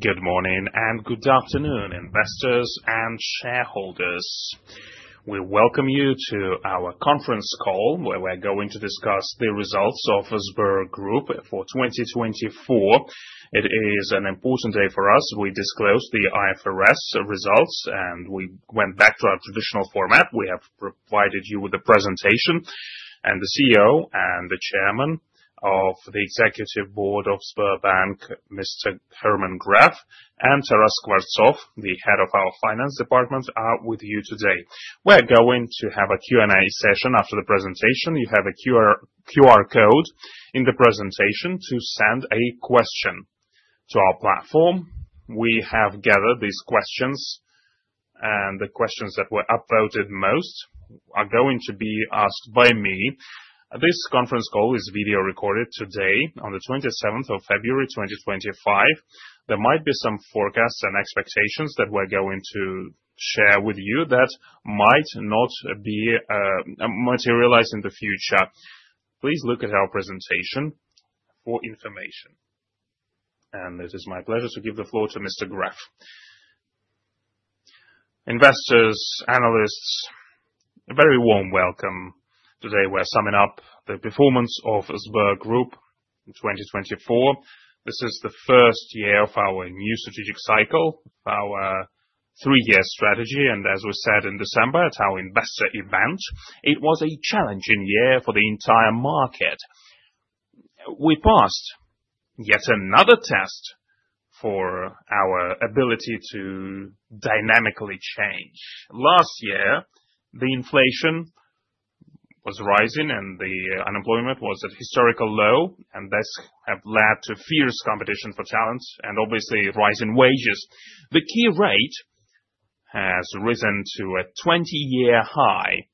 Good morning and good afternoon, investors and shareholders. We welcome you to our conference call where we're going to discuss the results of the Sber Group for 2024. It is an important day for us. We disclosed the IFRS results, and we went back to our traditional format. We have provided you with the presentation, and the CEO and the Chairman of the Executive Board of SberBank, Mr. Herman Gref, and Taras Skvortsov, the head of our Finance Department, are with you today. We're going to have a Q&A session after the presentation. You have a QR code in the presentation to send a question to our platform. We have gathered these questions, and the questions that were upvoted most are going to be asked by me. This conference call is video recorded today, on the 27th of February, 2025. There might be some forecasts and expectations that we're going to share with you that might not materialize in the future. Please look at our presentation for information. It is my pleasure to give the floor to Mr. Gref. Investors, analysts, a very warm welcome. Today, we're summing up the performance of Sber Group in 2024. This is the first year of our new strategic cycle, our three-year strategy. As we said in December at our investor event, it was a challenging year for the entire market. We passed yet another test for our ability to dynamically change. Last year, the inflation was rising, and the unemployment was at a historical low, and this has led to fierce competition for talent and, obviously, rising wages. The key rate has risen to a 20-year high.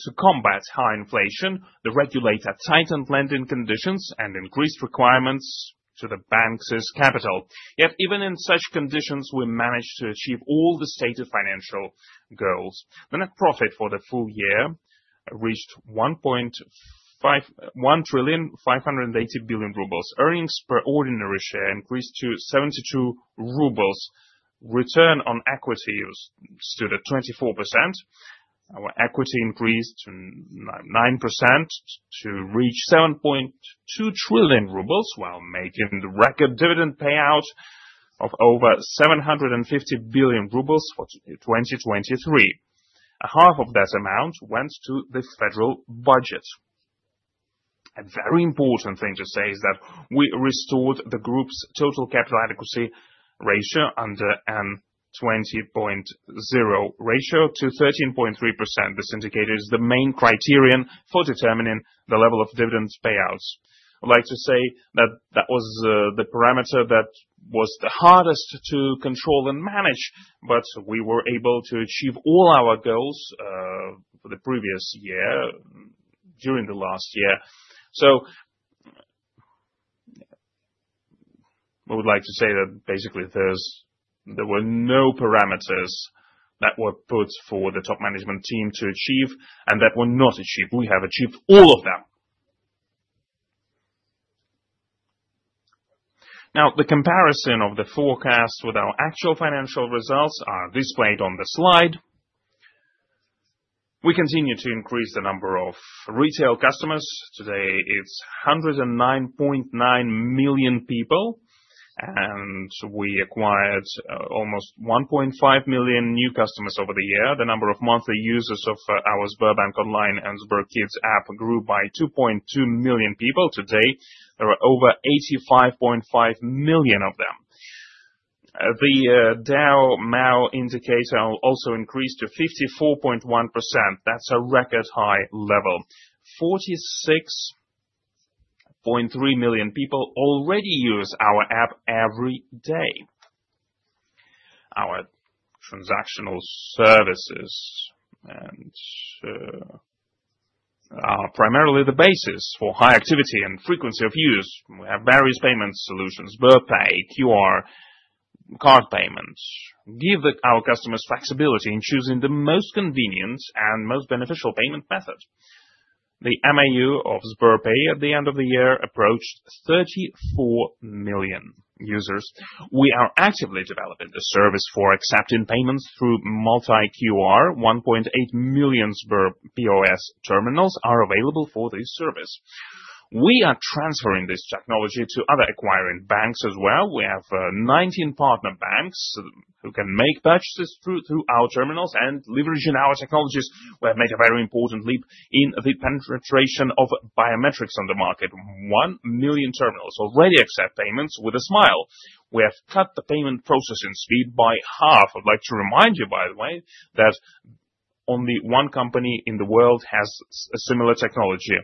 To combat high inflation, the regulator tightened lending conditions and increased requirements to the bank's capital. Yet, even in such conditions, we managed to achieve all the stated financial goals. The net profit for the full year reached 1 trillion 580 billion. Earnings per ordinary share increased to 72 rubles. Return on Equity stood at 24%. Our equity increased by 9% to reach 7.2 trillion rubles while making the record dividend payout of over 750 billion rubles for 2023. Half of that amount went to the federal budget. A very important thing to say is that we restored the group's total Capital Adequacy Ratio under Basel III to 20.0% and the N1.0 ratio to 13.3%. This indicator is the main criterion for determining the level of dividend payouts. I'd like to say that that was the parameter that was the hardest to control and manage, but we were able to achieve all our goals for the previous year during the last year. So we would like to say that, basically, there were no parameters that were put for the top management team to achieve and that were not achieved. We have achieved all of them. Now, the comparison of the forecast with our actual financial results is displayed on the slide. We continue to increase the number of retail customers. Today, it's 109.9 million people, and we acquired almost 1.5 million new customers over the year. The number of monthly users of our SberBank Online and SberKids app grew by 2.2 million people. Today, there are over 85.5 million of them. The DAU/MAU indicator also increased to 54.1%. That's a record high level. 46.3 million people already use our app every day. Our transactional services are primarily the basis for high activity and frequency of use. We have various payment solutions: SberPay, QR, card payments. These give our customers flexibility in choosing the most convenient and most beneficial payment method. The MAU of SberPay at the end of the year approached 34 million users. We are actively developing the service for accepting payments through multi-QR. 1.8 million SberPOS terminals are available for this service. We are transferring this technology to other acquiring banks as well. We have 19 partner banks who can make purchases through our terminals, and leveraging our technologies, we have made a very important leap in the penetration of biometrics on the market. 1 million terminals already accept payments with a smile. We have cut the payment processing speed by half. I'd like to remind you, by the way, that only one company in the world has a similar technology.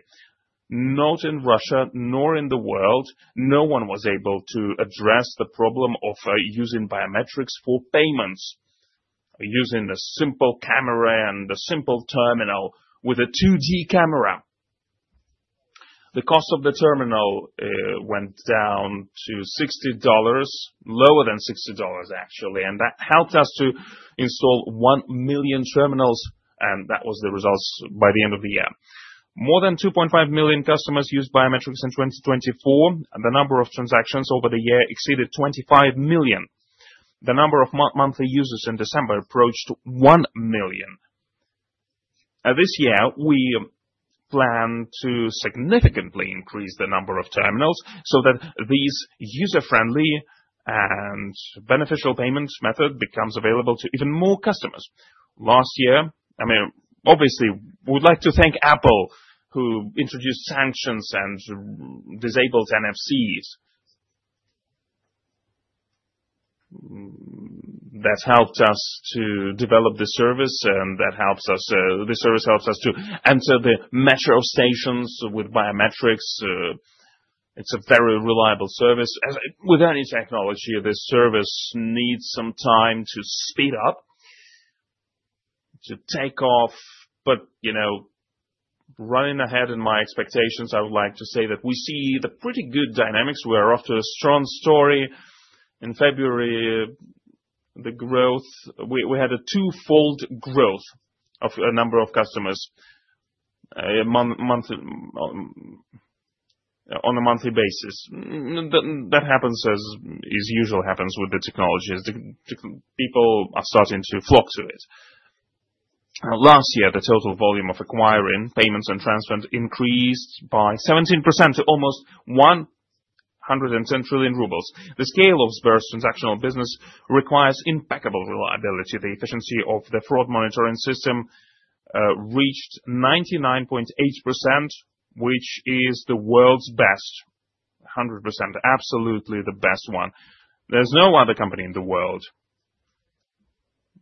Not in Russia nor in the world, no one was able to address the problem of using biometrics for payments, using a simple camera and a simple terminal with a 2D camera. The cost of the terminal went down to $60, lower than $60, actually, and that helped us to install one million terminals, and that was the results by the end of the year. More than 2.5 million customers used biometrics in 2024. The number of transactions over the year exceeded 25 million. The number of monthly users in December approached one million. This year, we plan to significantly increase the number of terminals so that these user-friendly and beneficial payments methods become available to even more customers. Last year, I mean, obviously, we'd like to thank Apple, who introduced sanctions and disabled NFC. That helped us to develop the service, and that helps us. The service helps us to enter the metro stations with biometrics. It's a very reliable service. With any technology, this service needs some time to speed up, to take off. But running ahead in my expectations, I would like to say that we see pretty good dynamics. We are off to a strong start. In February, the growth, we had a twofold growth of the number of customers on a monthly basis. That happens as usually happens with the technology. People are starting to flock to it. Last year, the total volume of acquiring payments and transfers increased by 17% to almost 110 trillion rubles. The scale of Sber's transactional business requires impeccable reliability. The efficiency of the fraud monitoring system reached 99.8%, which is the world's best, 100%, absolutely the best one. There's no other company in the world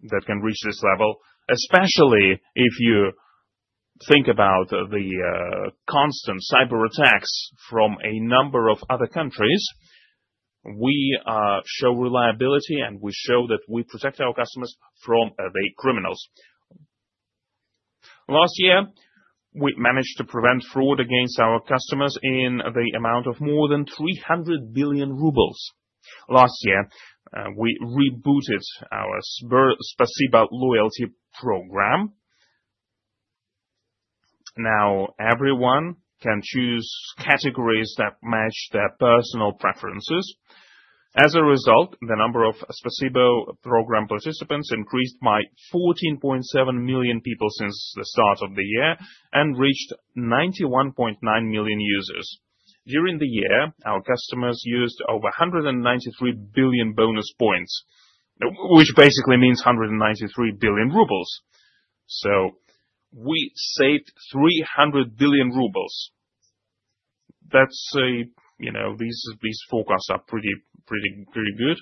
that can reach this level, especially if you think about the constant cyber attacks from a number of other countries. We show reliability, and we show that we protect our customers from the criminals. Last year, we managed to prevent fraud against our customers in the amount of more than 300 billion rubles. Last year, we rebooted our SberSpasibo loyalty program. Now, everyone can choose categories that match their personal preferences. As a result, the number of Spasibo program participants increased by 14.7 million people since the start of the year and reached 91.9 million users. During the year, our customers used over 193 billion bonus points, which basically means 193 billion rubles. So we saved 300 billion rubles. That's, you know, these forecasts are pretty good.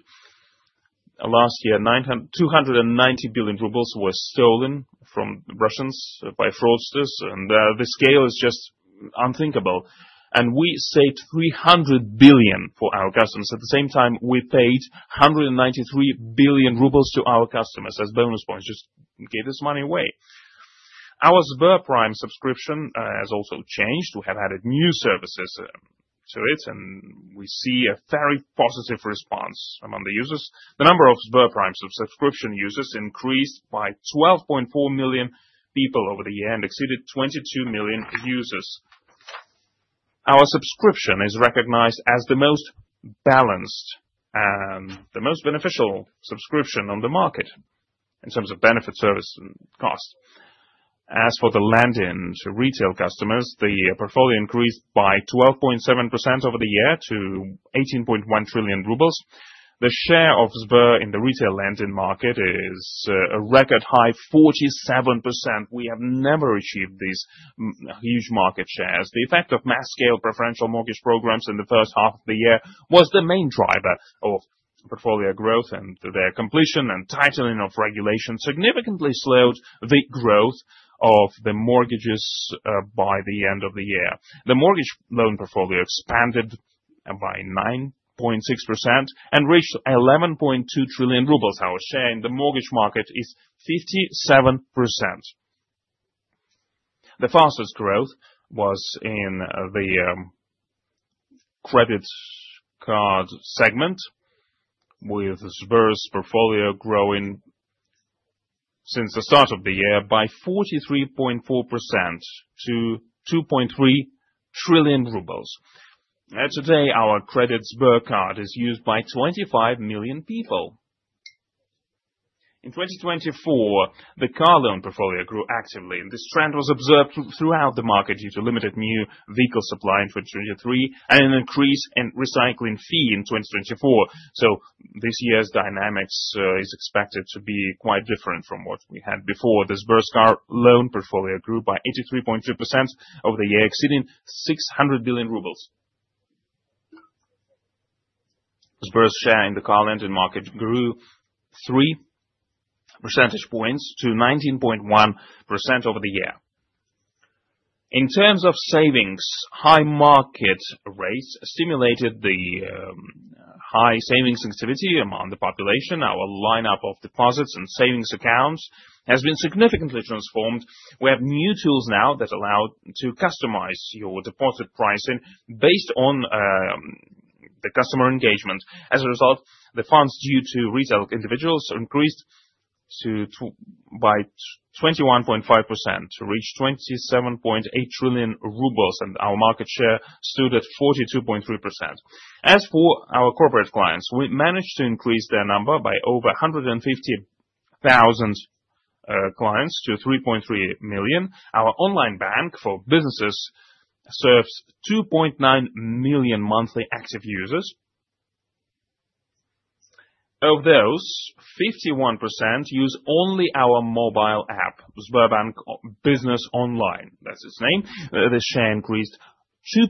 Last year, 290 billion rubles were stolen from the Russians by fraudsters, and the scale is just unthinkable. We saved 300 billion for our customers. At the same time, we paid 193 billion rubles to our customers as bonus points. Just give this money away. Our SberPrime subscription has also changed. We have added new services to it, and we see a very positive response among the users. The number of SberPrime subscription users increased by 12.4 million people over the year and exceeded 22 million users. Our subscription is recognized as the most balanced and the most beneficial subscription on the market in terms of benefit service cost. As for the lending to retail customers, the portfolio increased by 12.7% over the year to 18.1 trillion rubles. The share of Sber in the retail lending market is a record high, 47%. We have never achieved these huge market shares. The effect of mass-scale preferential mortgage programs in the first half of the year was the main driver of portfolio growth, and their completion and tightening of regulation significantly slowed the growth of the mortgages by the end of the year. The mortgage loan portfolio expanded by 9.6% and reached 11.2 trillion rubles. Our share in the mortgage market is 57%. The fastest growth was in the credit card segment, with Sber's portfolio growing since the start of the year by 43.4% to RUB 2.3 trillion. Today, our credit SberCard is used by 25 million people. In 2024, the car loan portfolio grew actively, and this trend was observed throughout the market due to limited new vehicle supply in 2023 and an increase in recycling fee in 2024, so this year's dynamics is expected to be quite different from what we had before. The Sber's car loan portfolio grew by 83.2% over the year, exceeding 600 billion rubles. Sber's share in the car lending market grew three percentage points to 19.1% over the year. In terms of savings, high market rates stimulated the high savings activity among the population. Our lineup of deposits and savings accounts has been significantly transformed. We have new tools now that allow you to customize your deposit pricing based on the customer engagement. As a result, the funds due to retail individuals increased by 21.5% to reach 27.8 trillion rubles, and our market share stood at 42.3%. As for our corporate clients, we managed to increase their number by over 150,000 clients to 3.3 million. Our online bank for businesses serves 2.9 million monthly active users. Of those, 51% use only our mobile app, SberBusiness Online. That's its name. The share increased 2%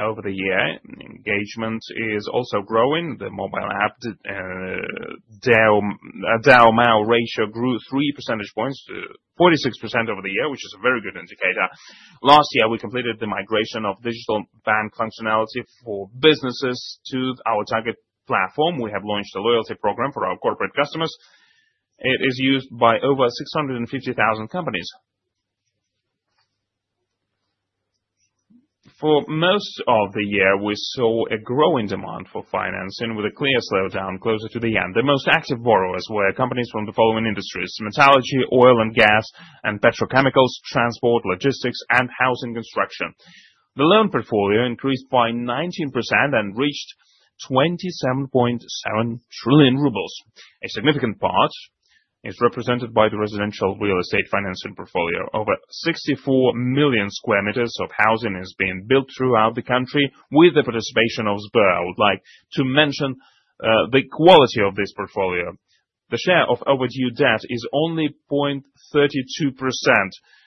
over the year. Engagement is also growing. The mobile app DAU/MAU ratio grew 3 percentage points to 46% over the year, which is a very good indicator. Last year, we completed the migration of digital bank functionality for businesses to our target platform. We have launched a loyalty program for our corporate customers. It is used by over 650,000 companies. For most of the year, we saw a growing demand for financing with a clear slowdown closer to the end. The most active borrowers were companies from the following industries: metallurgy, oil and gas, and petrochemicals, transport, logistics, and housing construction. The loan portfolio increased by 19% and reached 27.7 trillion rubles. A significant part is represented by the residential real estate financing portfolio. Over 64 million square meters of housing is being built throughout the country with the participation of Sber. I would like to mention the quality of this portfolio. The share of overdue debt is only 0.32%,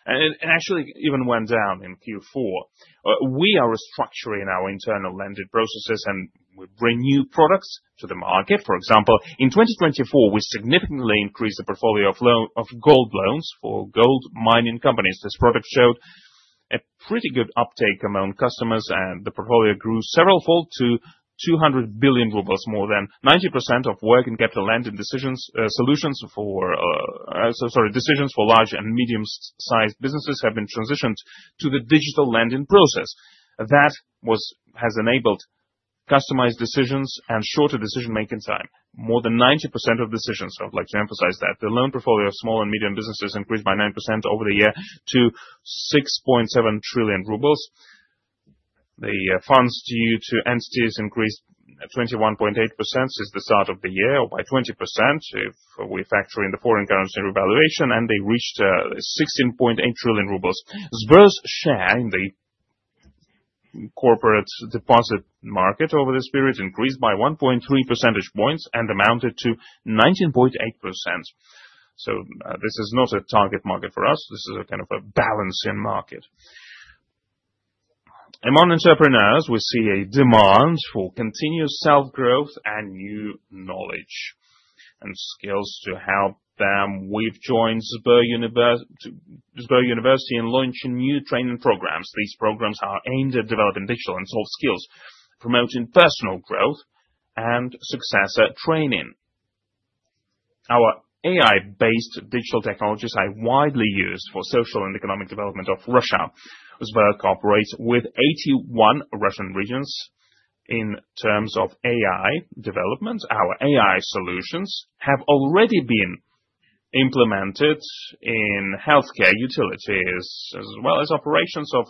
and it actually even went down in Q4. We are restructuring our internal lending processes, and we bring new products to the market. For example, in 2024, we significantly increased the portfolio of gold loans for gold mining companies. This product showed a pretty good uptake among customers, and the portfolio grew several fold to 200 billion rubles. More than 90% of working capital lending solutions for large and medium-sized businesses have been transitioned to the digital lending process. That has enabled customized decisions and shorter decision-making time. More than 90% of decisions. I would like to emphasize that the loan portfolio of small and medium businesses increased by 9% over the year to 6.7 trillion rubles. The funds due to entities increased 21.8% since the start of the year by 20% if we factor in the foreign currency revaluation, and they reached 16.8 trillion rubles. Sber's share in the corporate deposit market over this period increased by 1.3 percentage points and amounted to 19.8%. So this is not a target market for us. This is a kind of a balancing market. Among entrepreneurs, we see a demand for continuous self-growth and new knowledge and skills to help them. We've joined SberUniversity in launching new training programs. These programs are aimed at developing digital and soft skills, promoting personal growth and success at training. Our AI-based digital technologies are widely used for social and economic development of Russia. Sber cooperates with 81 Russian regions in terms of AI development. Our AI solutions have already been implemented in healthcare utilities, as well as operations of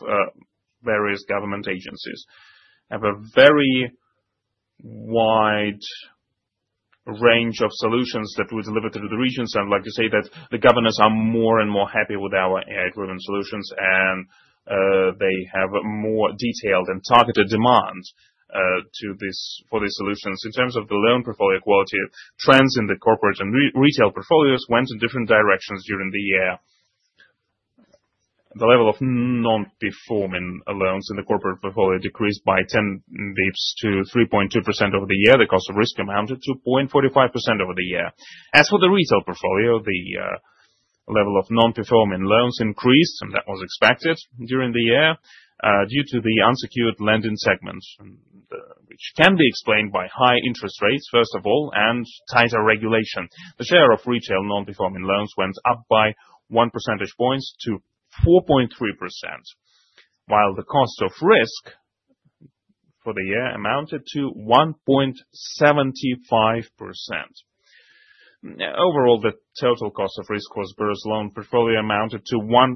various government agencies. We have a very wide range of solutions that we deliver to the regions, and I'd like to say that the governors are more and more happy with our AI-driven solutions, and they have more detailed and targeted demands for these solutions. In terms of the loan portfolio quality, trends in the corporate and retail portfolios went in different directions during the year. The level of non-performing loans in the corporate portfolio decreased by 10 basis points to 3.2% over the year. The cost of risk amounted to 0.45% over the year. As for the retail portfolio, the level of non-performing loans increased, and that was expected during the year due to the unsecured lending segment, which can be explained by high interest rates, first of all, and tighter regulation. The share of retail non-performing loans went up by 1 percentage point to 4.3%, while the cost of risk for the year amounted to 1.75%. Overall, the total cost of risk for Sber's loan portfolio amounted to 1%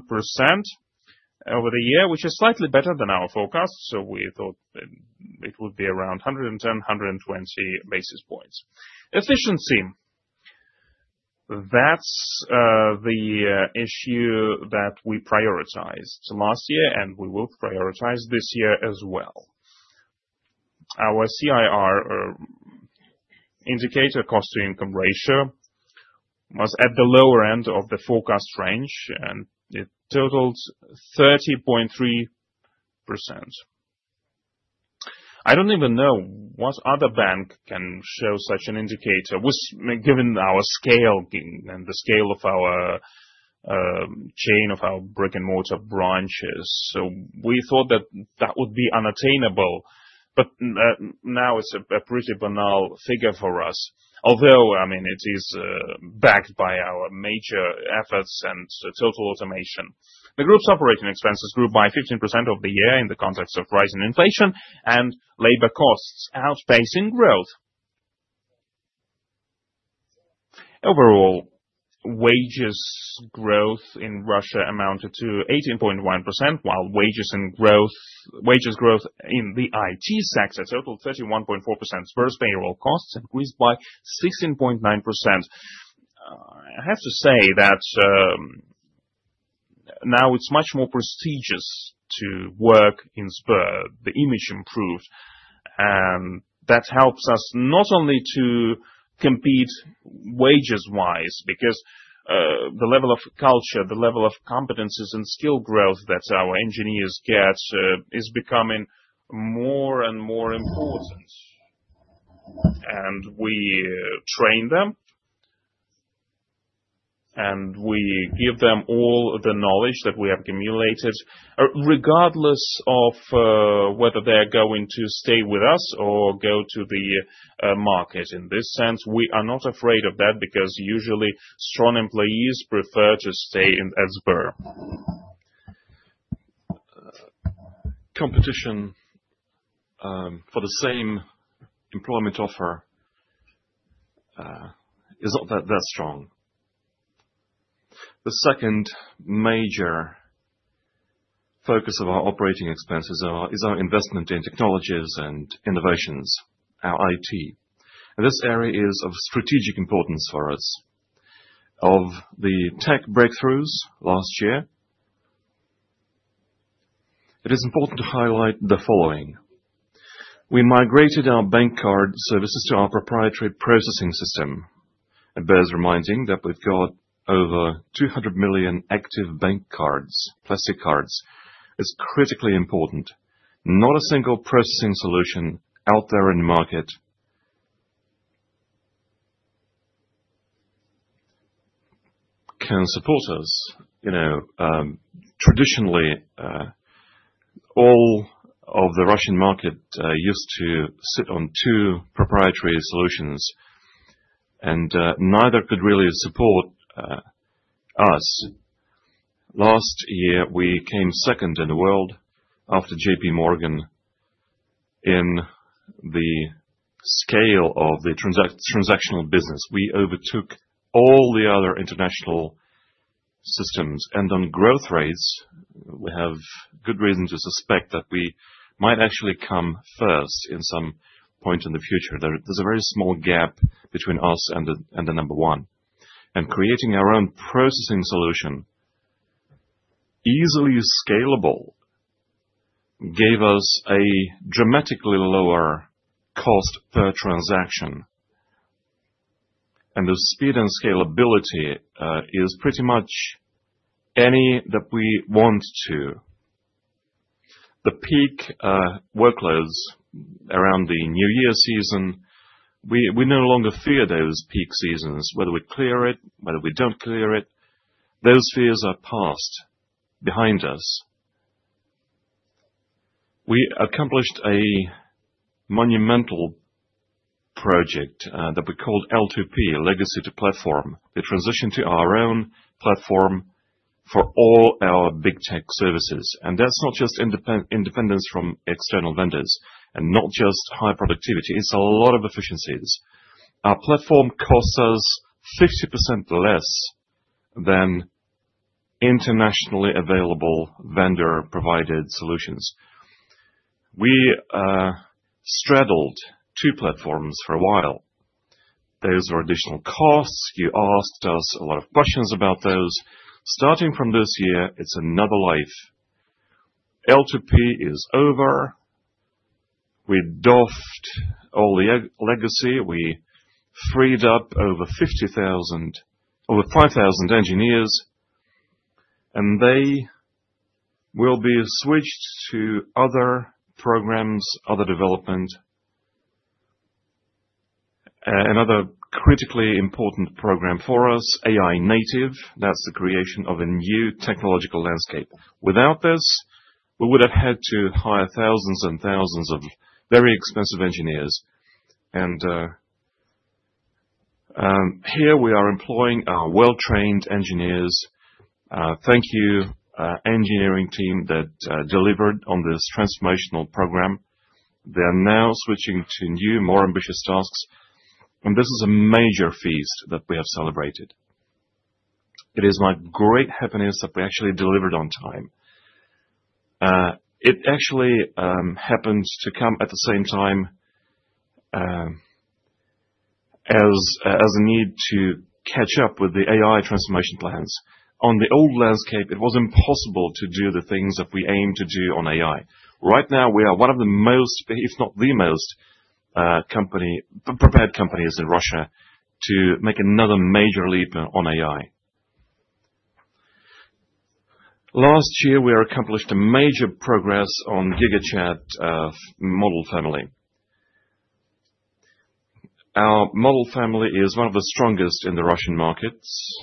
over the year, which is slightly better than our forecast. So we thought it would be around 110-120 basis points. Efficiency. That's the issue that we prioritized last year, and we will prioritize this year as well. Our CIR, indicator cost-to-income ratio, was at the lower end of the forecast range, and it totaled 30.3%. I don't even know what other bank can show such an indicator, given our scale and the scale of our chain of our brick-and-mortar branches. So we thought that that would be unattainable, but now it's a pretty banal figure for us, although, I mean, it is backed by our major efforts and total automation. The group's operating expenses grew by 15% over the year in the context of rising inflation and labor costs outpacing growth. Overall, wages growth in Russia amounted to 18.1%, while wages growth in the IT sector totaled 31.4%. Sber's payroll costs increased by 16.9%. I have to say that now it's much more prestigious to work in Sber. The image improved, and that helps us not only to compete wages-wise because the level of culture, the level of competencies and skill growth that our engineers get is becoming more and more important. We train them, and we give them all the knowledge that we have accumulated, regardless of whether they are going to stay with us or go to the market. In this sense, we are not afraid of that because usually strong employees prefer to stay at Sber. Competition for the same employment offer is not that strong. The second major focus of our operating expenses is our investment in technologies and innovations, our IT. This area is of strategic importance for us. Of the tech breakthroughs last year, it is important to highlight the following. We migrated our bank card services to our proprietary processing system. It bears reminding that we've got over 200 million active bank cards, plastic cards. It's critically important. Not a single processing solution out there in the market can support us. Traditionally, all of the Russian market used to sit on two proprietary solutions, and neither could really support us. Last year, we came second in the world after JPMorgan in the scale of the transactional business. We overtook all the other international systems, and on growth rates, we have good reason to suspect that we might actually come first in some point in the future. There's a very small gap between us and the number one, and creating our own processing solution, easily scalable, gave us a dramatically lower cost per transaction, and the speed and scalability is pretty much any that we want to. The peak workloads around the New Year season, we no longer fear those peak seasons, whether we clear it, whether we don't clear it. Those fears are past, behind us. We accomplished a monumental project that we called L2P, Legacy to Platform, the transition to our own platform for all our big tech services. And that's not just independence from external vendors and not just high productivity. It's a lot of efficiencies. Our platform costs us 50% less than internationally available vendor-provided solutions. We straddled two platforms for a while. Those were additional costs. You asked us a lot of questions about those. Starting from this year, it's another life. L2P is over. We doffed all the legacy. We freed up over 5,000 engineers, and they will be switched to other programs, other development, another critically important program for us, AI native. That's the creation of a new technological landscape. Without this, we would have had to hire thousands and thousands of very expensive engineers. And here we are employing our well-trained engineers. Thank you, engineering team that delivered on this transformational program. They are now switching to new, more ambitious tasks. And this is a major feat that we have celebrated. It is my great happiness that we actually delivered on time. It actually happened to come at the same time as a need to catch up with the AI transformation plans. On the old landscape, it was impossible to do the things that we aim to do on AI. Right now, we are one of the most, if not the most, prepared companies in Russia to make another major leap on AI. Last year, we accomplished major progress on GigaChat model family. Our model family is one of the strongest in the Russian markets.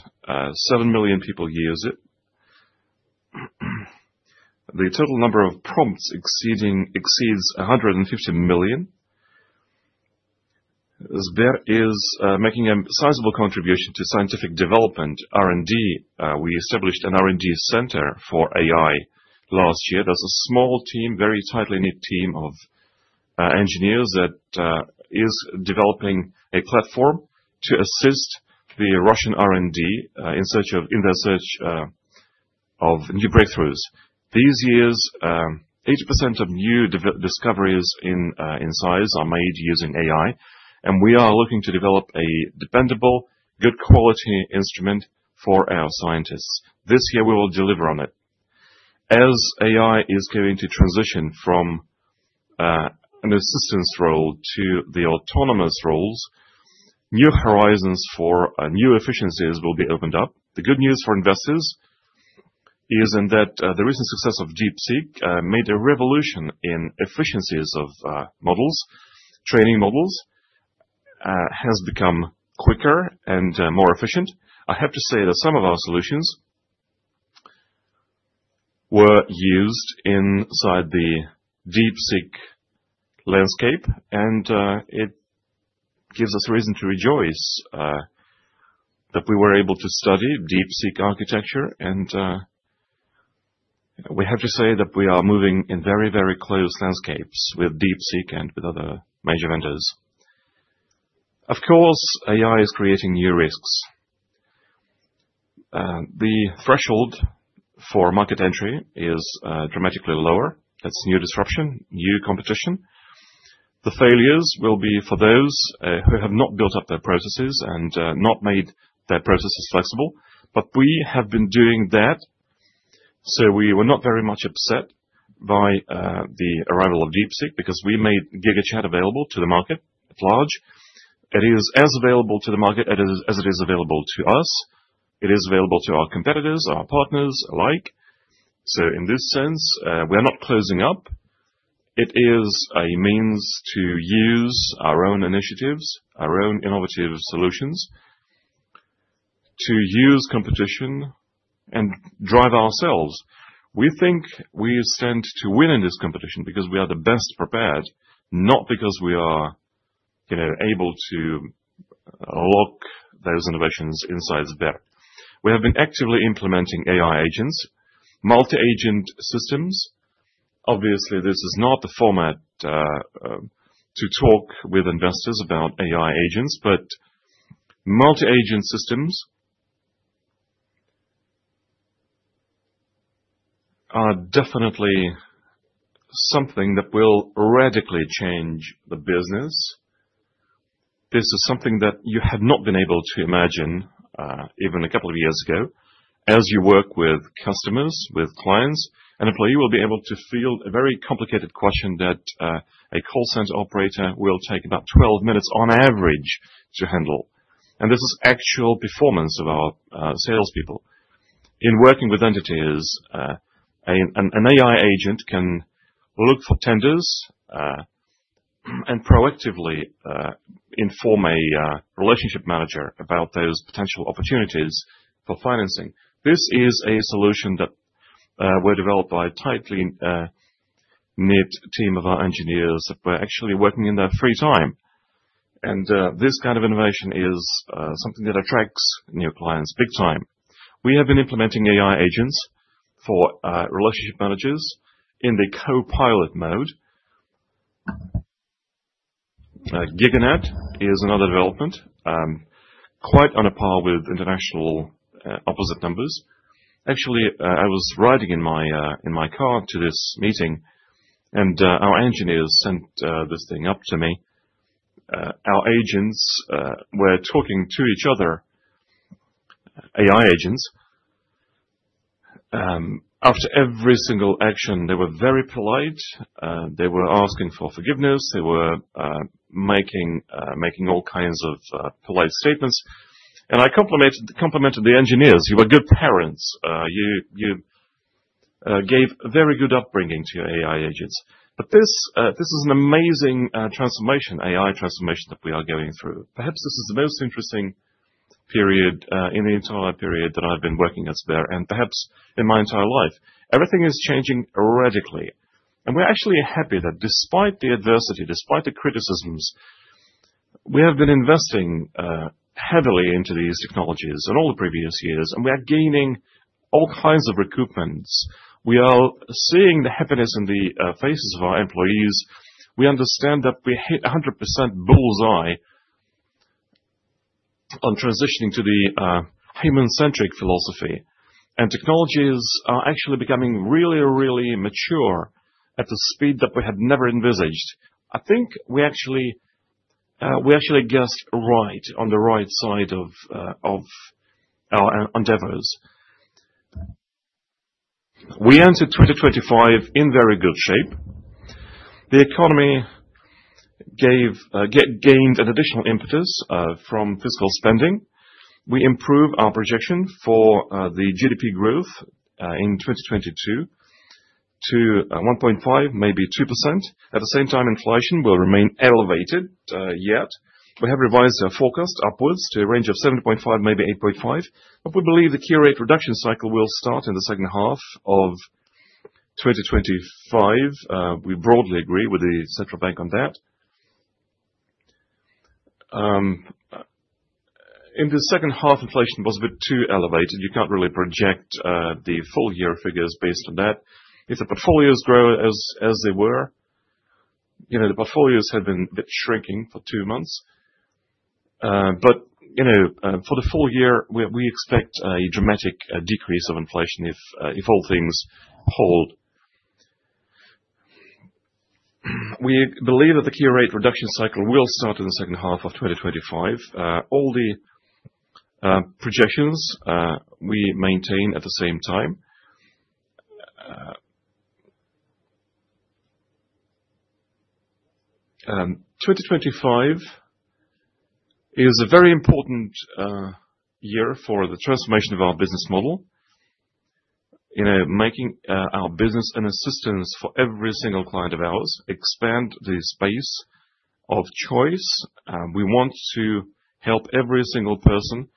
7 million people use it. The total number of prompts exceeds 150 million. Sber is making a sizable contribution to scientific development, R&D. We established an R&D center for AI last year. There's a small team, very tightly knit team of engineers that is developing a platform to assist the Russian R&D in their search of new breakthroughs. These years, 80% of new discoveries in science are made using AI, and we are looking to develop a dependable, good quality instrument for our scientists. This year, we will deliver on it. As AI is going to transition from an assistance role to the autonomous roles, new horizons for new efficiencies will be opened up. The good news for investors is that the recent success of DeepSeek made a revolution in efficiencies of models. Training models has become quicker and more efficient. I have to say that some of our solutions were used inside the DeepSeek landscape, and it gives us a reason to rejoice that we were able to study DeepSeek architecture. We have to say that we are moving in very, very close landscapes with DeepSeek and with other major vendors. Of course, AI is creating new risks. The threshold for market entry is dramatically lower. That's new disruption, new competition. The failures will be for those who have not built up their processes and not made their processes flexible. We have been doing that, so we were not very much upset by the arrival of DeepSeek because we made GigaChat available to the market at large. It is as available to the market as it is available to us. It is available to our competitors, our partners alike. In this sense, we are not closing up. It is a means to use our own initiatives, our own innovative solutions, to use competition and drive ourselves. We think we stand to win in this competition because we are the best prepared, not because we are able to lock those innovations inside Sber. We have been actively implementing AI agents, multi-agent systems. Obviously, this is not the format to talk with investors about AI agents, but multi-agent systems are definitely something that will radically change the business. This is something that you had not been able to imagine even a couple of years ago. As you work with customers, with clients, an employee will be able to field a very complicated question that a call center operator will take about 12 minutes on average to handle, and this is actual performance of our salespeople. In working with entities, an AI agent can look for tenders and proactively inform a relationship manager about those potential opportunities for financing. This is a solution that was developed by a tightly knit team of our engineers that were actually working in their free time, and this kind of innovation is something that attracts new clients big time. We have been implementing AI agents for relationship managers in the co-pilot mode. GigaGen is another development, quite on a par with international opposite numbers. Actually, I was riding in my car to this meeting, and our engineers sent this thing up to me. Our agents were talking to each other, AI agents. After every single action, they were very polite. They were asking for forgiveness. They were making all kinds of polite statements, and I complimented the engineers. You were good parents. You gave very good upbringing to your AI agents, but this is an amazing transformation, AI transformation that we are going through. Perhaps this is the most interesting period in the entire period that I've been working at Sber and perhaps in my entire life. Everything is changing radically. And we're actually happy that despite the adversity, despite the criticisms, we have been investing heavily into these technologies in all the previous years, and we are gaining all kinds of recruitments. We are seeing the happiness in the faces of our employees. We understand that we hit 100% bull's eye on transitioning to the human-centric philosophy. And technologies are actually becoming really, really mature at the speed that we had never envisioned. I think we actually guessed right on the right side of our endeavors. We entered 2025 in very good shape. The economy gained an additional impetus from fiscal spending. We improved our projection for the GDP growth in 2022 to 1.5%-2%. At the same time, inflation will remain elevated yet. We have revised our forecast upwards to a range of 7.5%-8.5%. But we believe the key rate reduction cycle will start in the second half of 2025. We broadly agree with the Central Bank on that. In the second half, inflation was a bit too elevated. You can't really project the full year figures based on that. If the portfolios grow as they were, the portfolios had been a bit shrinking for two months. But for the full year, we expect a dramatic decrease of inflation if all things hold. We believe that the key rate reduction cycle will start in the second half of 2025. All the projections we maintain at the same time. 2025 is a very important year for the transformation of our business model, making our business an assistance for every single client of ours, expand the space of choice. We want to help every single person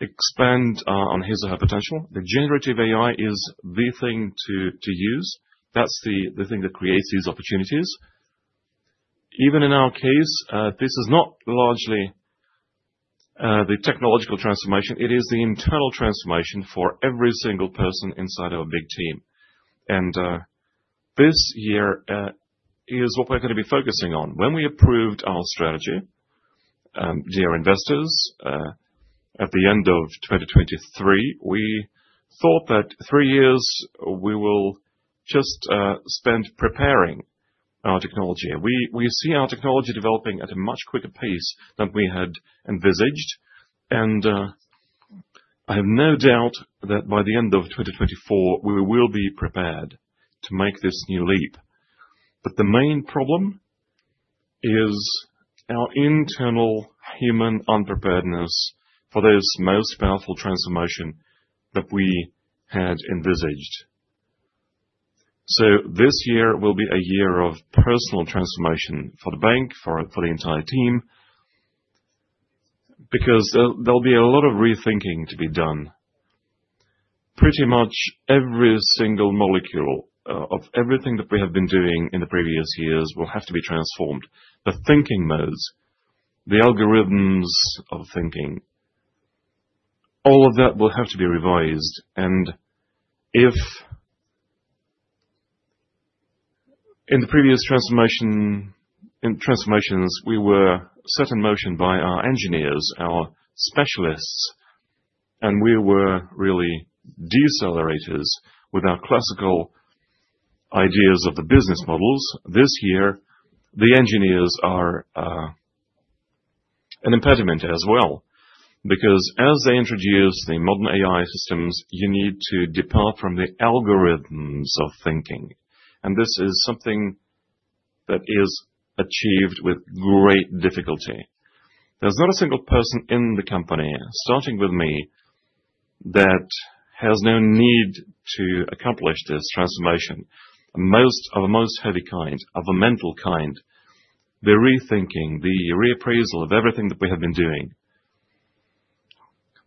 expand on his or her potential. The generative AI is the thing to use. That's the thing that creates these opportunities. Even in our case, this is not largely the technological transformation. It is the internal transformation for every single person inside our big team. And this year is what we're going to be focusing on. When we approved our strategy, dear investors, at the end of 2023, we thought that three years we will just spend preparing our technology. We see our technology developing at a much quicker pace than we had envisaged. And I have no doubt that by the end of 2024, we will be prepared to make this new leap. But the main problem is our internal human unpreparedness for this most powerful transformation that we had envisaged. So this year will be a year of personal transformation for the bank, for the entire team, because there'll be a lot of rethinking to be done. Pretty much every single molecule of everything that we have been doing in the previous years will have to be transformed. The thinking modes, the algorithms of thinking, all of that will have to be revised. And if in the previous transformations, we were set in motion by our engineers, our specialists, and we were really decelerators with our classical ideas of the business models, this year, the engineers are an impediment as well. Because as they introduce the modern AI systems, you need to depart from the algorithms of thinking. And this is something that is achieved with great difficulty. There's not a single person in the company, starting with me, that has no need to accomplish this transformation, of a most heavy kind, of a mental kind, the rethinking, the reappraisal of everything that we have been doing.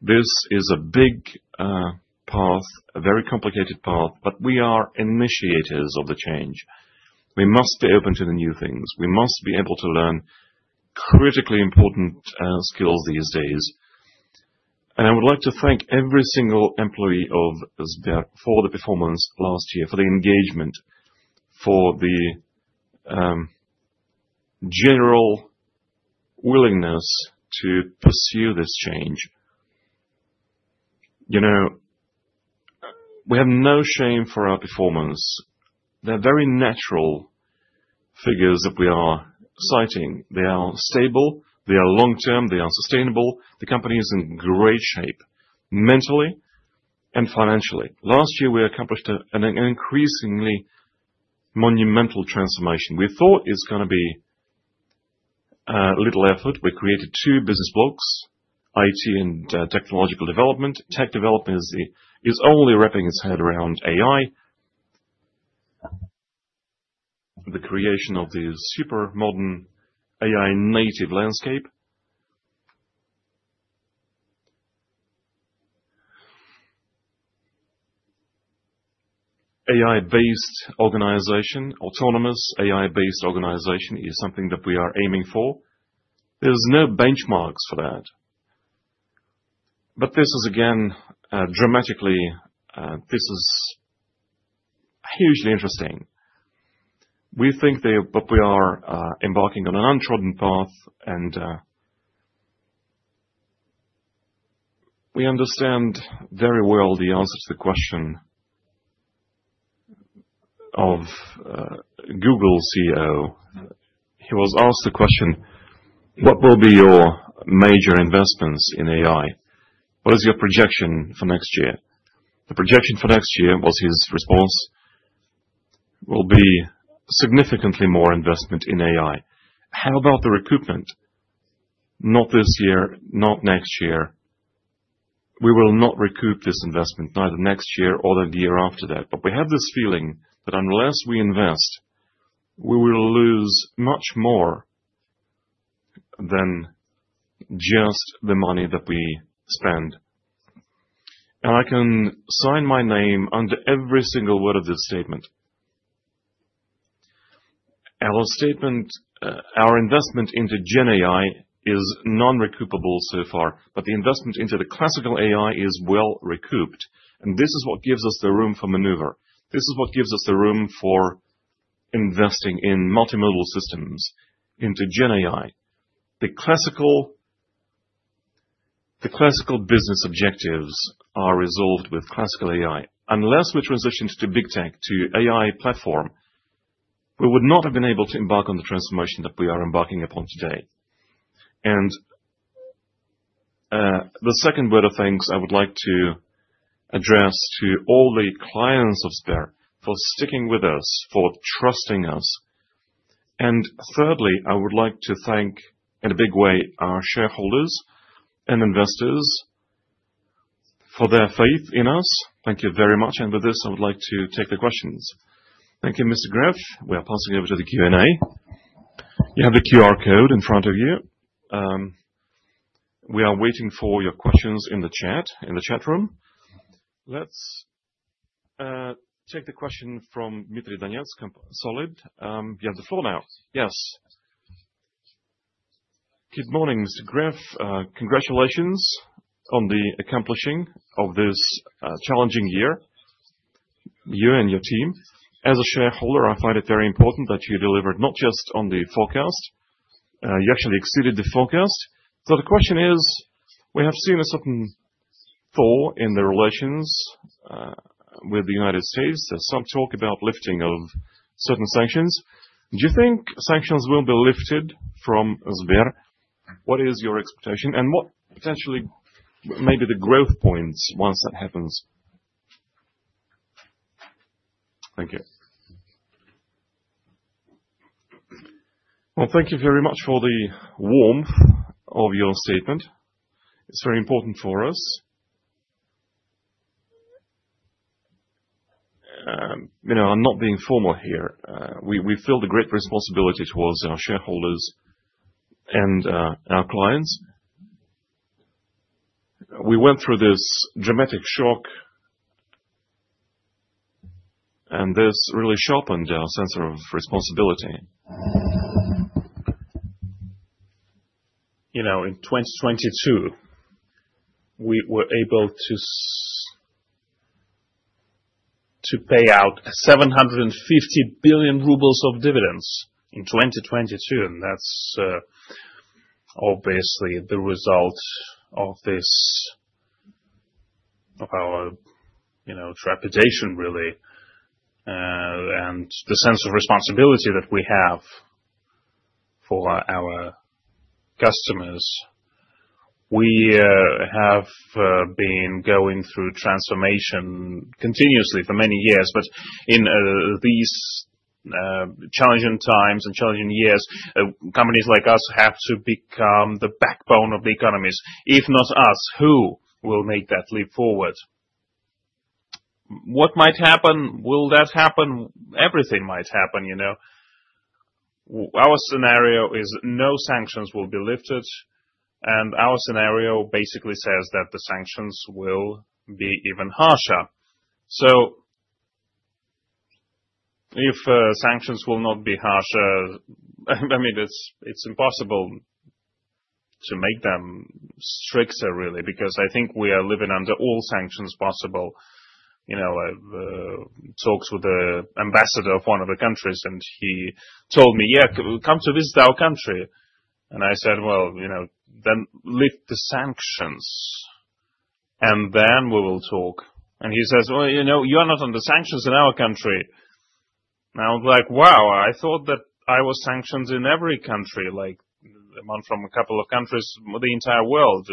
This is a big path, a very complicated path, but we are initiators of the change. We must be open to the new things. We must be able to learn critically important skills these days. And I would like to thank every single employee of Sber for the performance last year, for the engagement, for the general willingness to pursue this change. We have no shame for our performance. They're very natural figures that we are citing. They are stable. They are long-term. They are sustainable. The company is in great shape, mentally and financially. Last year, we accomplished an increasingly monumental transformation. We thought it's going to be a little effort. We created two business blocks, IT and technological development. Tech development is only wrapping its head around AI, the creation of the super modern AI-native landscape. AI-based organization, autonomous AI-based organization is something that we are aiming for. There's no benchmarks for that. But this is, again, dramatically hugely interesting. We think that we are embarking on an untrodden path, and we understand very well the answer to the question of Google CEO. He was asked the question, "What will be your major investments in AI? What is your projection for next year?" The projection for next year, what's his response? "Will be significantly more investment in AI." How about the recruitment? Not this year, not next year. We will not recoup this investment, neither next year or the year after that. But we have this feeling that unless we invest, we will lose much more than just the money that we spend. And I can sign my name under every single word of this statement. Our investment into GenAI is non-recoupable so far, but the investment into the classical AI is well-recouped. And this is what gives us the room for maneuver. This is what gives us the room for investing in multimodal systems into GenAI. The classical business objectives are resolved with classical AI. Unless we transition to big tech, to AI platform, we would not have been able to embark on the transformation that we are embarking upon today. And the second word of thanks I would like to address to all the clients of Sber for sticking with us, for trusting us. Thirdly, I would like to thank in a big way our shareholders and investors for their faith in us. Thank you very much. With this, I would like to take the questions. Thank you, Mr. Gref. We are passing over to the Q&A. You have the QR code in front of you. We are waiting for your questions in the chat, in the chat room. Let's take the question from Dmitry Donetsky, Solid. You have the floor now. Yes. Good morning, Mr. Gref. Congratulations on the accomplishing of this challenging year, you and your team. As a shareholder, I find it very important that you delivered not just on the forecast. You actually exceeded the forecast. So the question is, we have seen a certain fall in the relations with the United States. There's some talk about lifting of certain sanctions. Do you think sanctions will be lifted from Sber? What is your expectation? And what potentially may be the growth points once that happens? Thank you. Well, thank you very much for the warmth of your statement. It's very important for us. I'm not being formal here. We feel the great responsibility towards our shareholders and our clients. We went through this dramatic shock, and this really sharpened our sense of responsibility. In 2022, we were able to pay out 750 billion rubles of dividends in 2022. And that's obviously the result of our trepidation, really, and the sense of responsibility that we have for our customers. We have been going through transformation continuously for many years. But in these challenging times and challenging years, companies like us have to become the backbone of the economies. If not us, who will make that leap forward? What might happen? Will that happen? Everything might happen. Our scenario is no sanctions will be lifted. And our scenario basically says that the sanctions will be even harsher. So if sanctions will not be harsher, I mean, it's impossible to make them stricter, really, because I think we are living under all sanctions possible. I talked with the ambassador of one of the countries, and he told me, "Yeah, come to visit our country." And I said, "Well, then lift the sanctions, and then we will talk." And he says, "Well, you are not under sanctions in our country." And I was like, "Wow, I thought that I was sanctioned in every country." Like a couple of countries, the entire world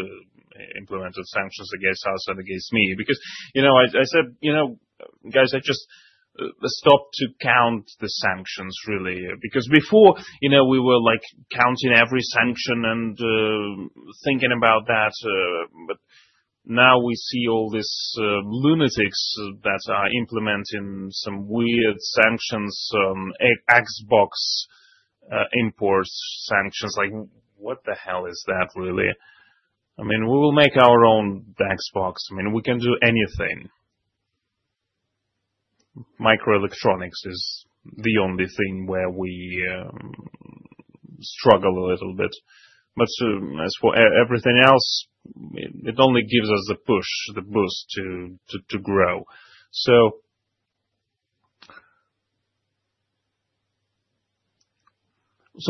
implemented sanctions against us and against me. Because I said, "Guys, I just stopped to count the sanctions, really." Because before, we were counting every sanction and thinking about that. But now we see all this lunatics that are implementing some weird sanctions, some Xbox import sanctions. Like, what the hell is that, really? I mean, we will make our own Xbox. I mean, we can do anything. Microelectronics is the only thing where we struggle a little bit. But as for everything else, it only gives us the push, the boost to grow. So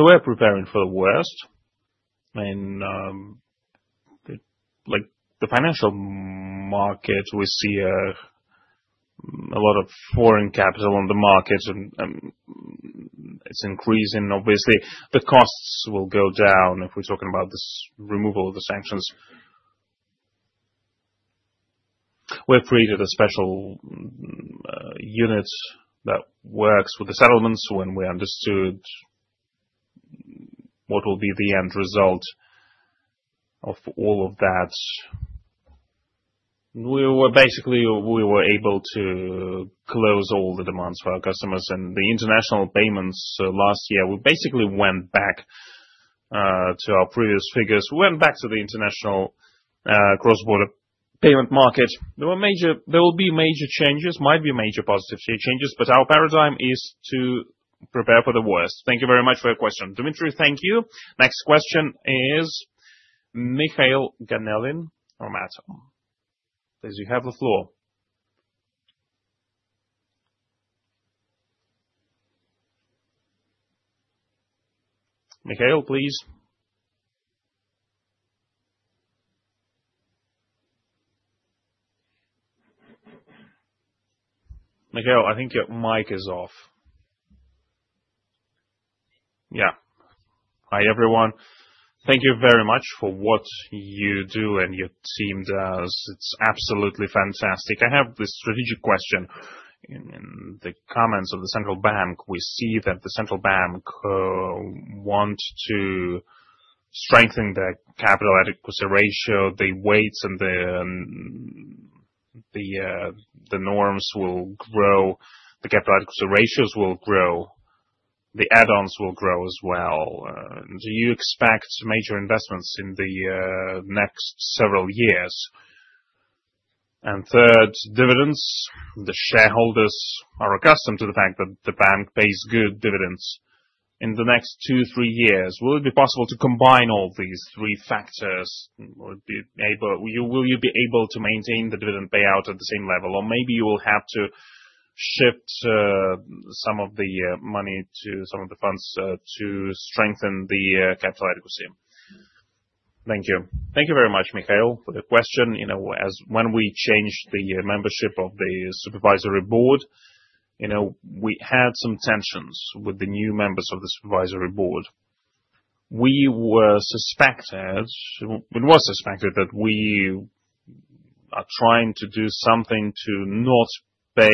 we're preparing for the worst. I mean, the financial market, we see a lot of foreign capital on the market, and it's increasing, obviously. The costs will go down if we're talking about this removal of the sanctions. We've created a special unit that works with the settlements when we understood what will be the end result of all of that. Basically, we were able to close all the demands for our customers. And the international payments last year, we basically went back to our previous figures. We went back to the international cross-border payment market. There will be major changes, might be major positive changes, but our paradigm is to prepare for the worst. Thank you very much for your question, Dmitry. Thank you. Next question is Mikhail Ganelin. Please, you have the floor. Mikhail, please. Mikhail, I think your mic is off. Yeah. Hi, everyone. Thank you very much for what you do and your team does. It's absolutely fantastic. I have this strategic question. In the comments of the Central Bank, we see that the Central Bank wants to strengthen the capital adequacy ratio. The weights and the norms will grow. The capital adequacy ratios will grow. The add-ons will grow as well. Do you expect major investments in the next several years? And third, dividends. The shareholders are accustomed to the fact that the bank pays good dividends in the next two, three years. Will it be possible to combine all these three factors? Will you be able to maintain the dividend payout at the same level? Or maybe you will have to shift some of the money to some of the funds to strengthen the capital adequacy. Thank you. Thank you very much, Mikhail, for the question. When we changed the membership of the supervisory board, we had some tensions with the new members of the supervisory board. We were suspected. It was suspected that we are trying to do something to not pay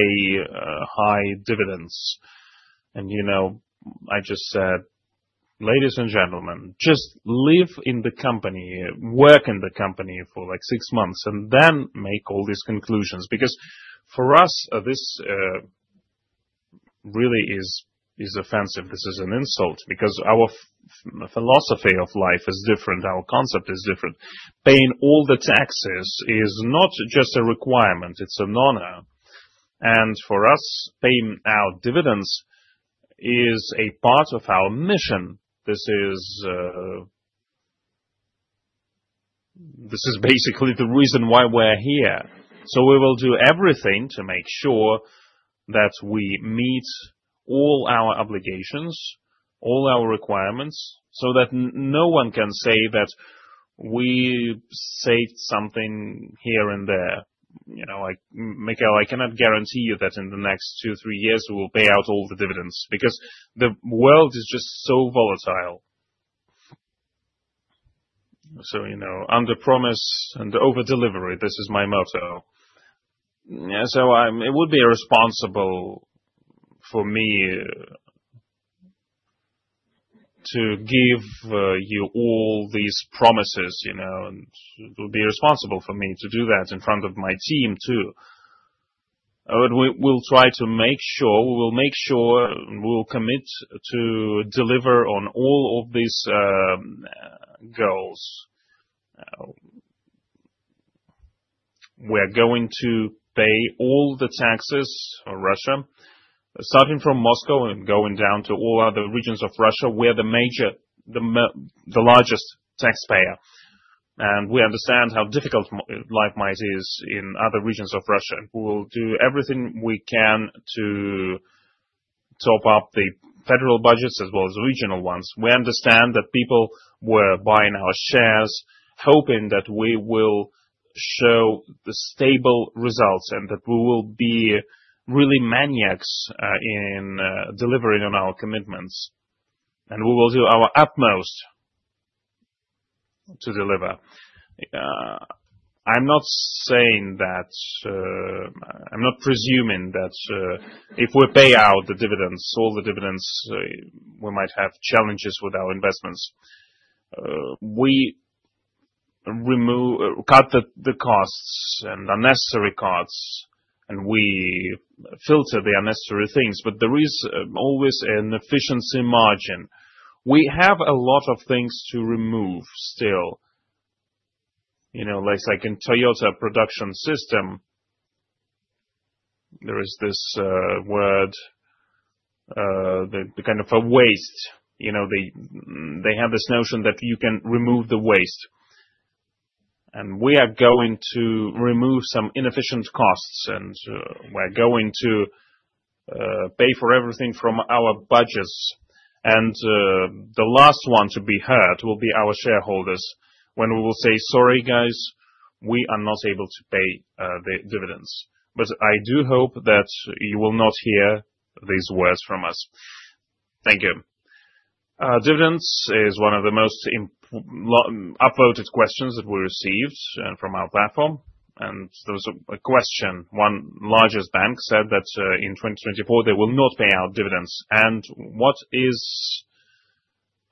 high dividends, and I just said, "Ladies and gentlemen, just live in the company, work in the company for like six months, and then make all these conclusions." Because for us, this really is offensive. This is an insult because our philosophy of life is different. Our concept is different. Paying all the taxes is not just a requirement. It's a no-no, and for us, paying our dividends is a part of our mission. This is basically the reason why we're here, so we will do everything to make sure that we meet all our obligations, all our requirements, so that no one can say that we saved something here and there. Mikhail, I cannot guarantee you that in the next two, three years, we will pay out all the dividends because the world is just so volatile, so under promise and over delivery, this is my motto, so it would be responsible for me to give you all these promises. It would be responsible for me to do that in front of my team, too. We'll try to make sure. We will make sure. We will commit to deliver on all of these goals. We are going to pay all the taxes for Russia, starting from Moscow and going down to all other regions of Russia. We are the largest taxpayer. And we understand how difficult life might be in other regions of Russia. We will do everything we can to top up the federal budgets as well as regional ones. We understand that people were buying our shares, hoping that we will show stable results and that we will be really maniacs in delivering on our commitments. And we will do our utmost to deliver. I'm not saying that I'm not presuming that if we pay out the dividends, all the dividends, we might have challenges with our investments. We cut the costs and unnecessary costs, and we filter the unnecessary things. But there is always an efficiency margin. We have a lot of things to remove still. Like in Toyota Production System, there is this word, the kind of a waste. They have this notion that you can remove the waste, and we are going to remove some inefficient costs, and we're going to pay for everything from our budgets, and the last one to be hurt will be our shareholders when we will say, "Sorry, guys, we are not able to pay the dividends." But I do hope that you will not hear these words from us. Thank you. Dividends is one of the most upvoted questions that we received from our platform, and there was a question. One largest bank said that in 2024, they will not pay out dividends, and what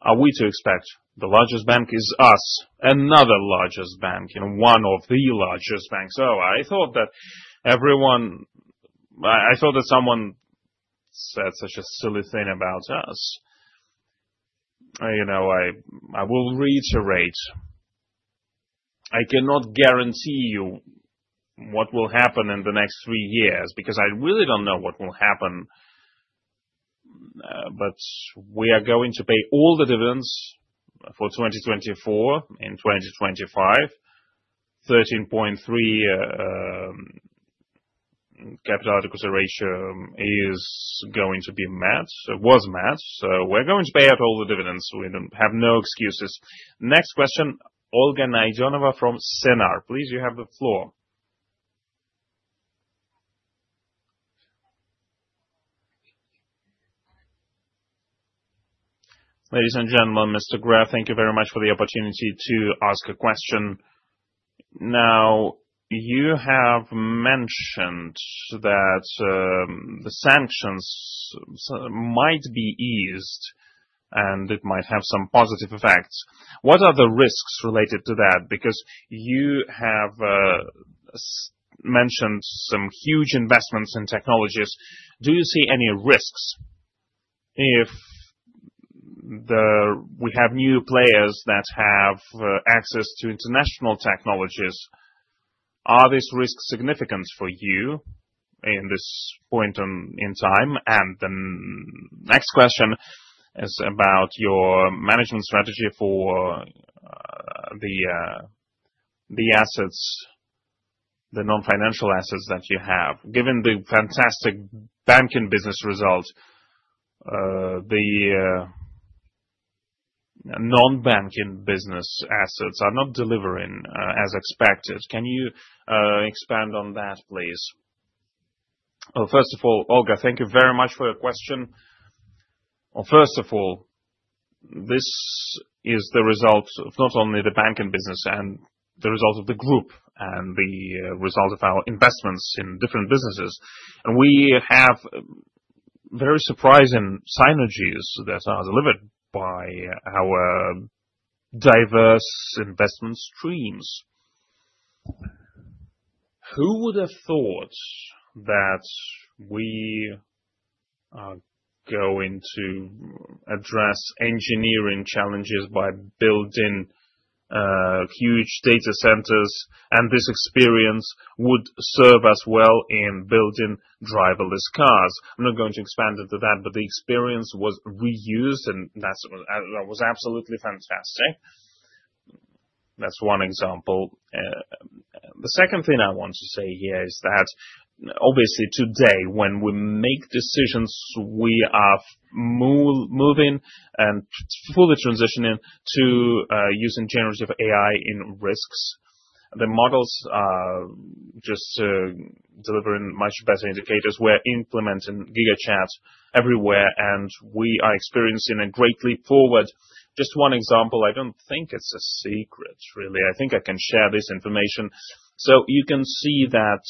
are we to expect? The largest bank is us, another largest bank, and one of the largest banks. Oh, I thought that everyone, I thought that someone said such a silly thing about us. I will reiterate. I cannot guarantee you what will happen in the next three years because I really don't know what will happen, but we are going to pay all the dividends for 2024. In 2025, 13.3% Capital Adequacy Ratio is going to be met, was met, so we're going to pay out all the dividends. We don't have no excuses. Next question, Olga Naydenova from Sinara. Please, you have the floor. Ladies and gentlemen, Mr. Gref, thank you very much for the opportunity to ask a question. Now, you have mentioned that the sanctions might be eased and it might have some positive effects. What are the risks related to that? Because you have mentioned some huge investments in technologies. Do you see any risks if we have new players that have access to international technologies? Are these risks significant for you in this point in time? The next question is about your management strategy for the assets, the non-financial assets that you have. Given the fantastic banking business result, the non-banking business assets are not delivering as expected. Can you expand on that, please? Well, first of all, Olga, thank you very much for your question. Well, first of all, this is the result of not only the banking business and the result of the group and the result of our investments in different businesses. And we have very surprising synergies that are delivered by our diverse investment streams. Who would have thought that we are going to address engineering challenges by building huge data centers? And this experience would serve us well in building driverless cars. I'm not going to expand into that, but the experience was reused, and that was absolutely fantastic. That's one example. The second thing I want to say here is that, obviously, today, when we make decisions, we are moving and fully transitioning to using generative AI in risks. The models are just delivering much better indicators. We're implementing GigaChat everywhere, and we are experiencing a great leap forward. Just one example. I don't think it's a secret, really. I think I can share this information, so you can see that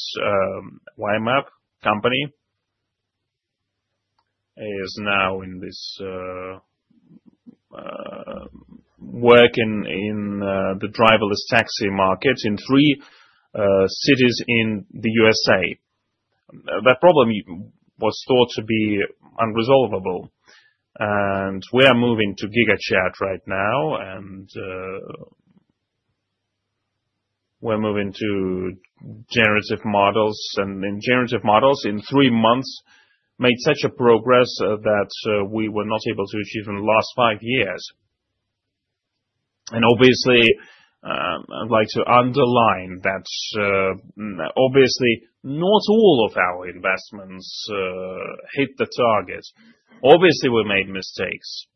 Waymo company is now working in the driverless taxi market in three cities in the USA. That problem was thought to be unresolvable, and we are moving to GigaChat right now, and we're moving to generative models. In generative models, in three months, made such a progress that we were not able to achieve in the last five years. Obviously, I'd like to underline that obviously, not all of our investments hit the target. Obviously, we made mistakes.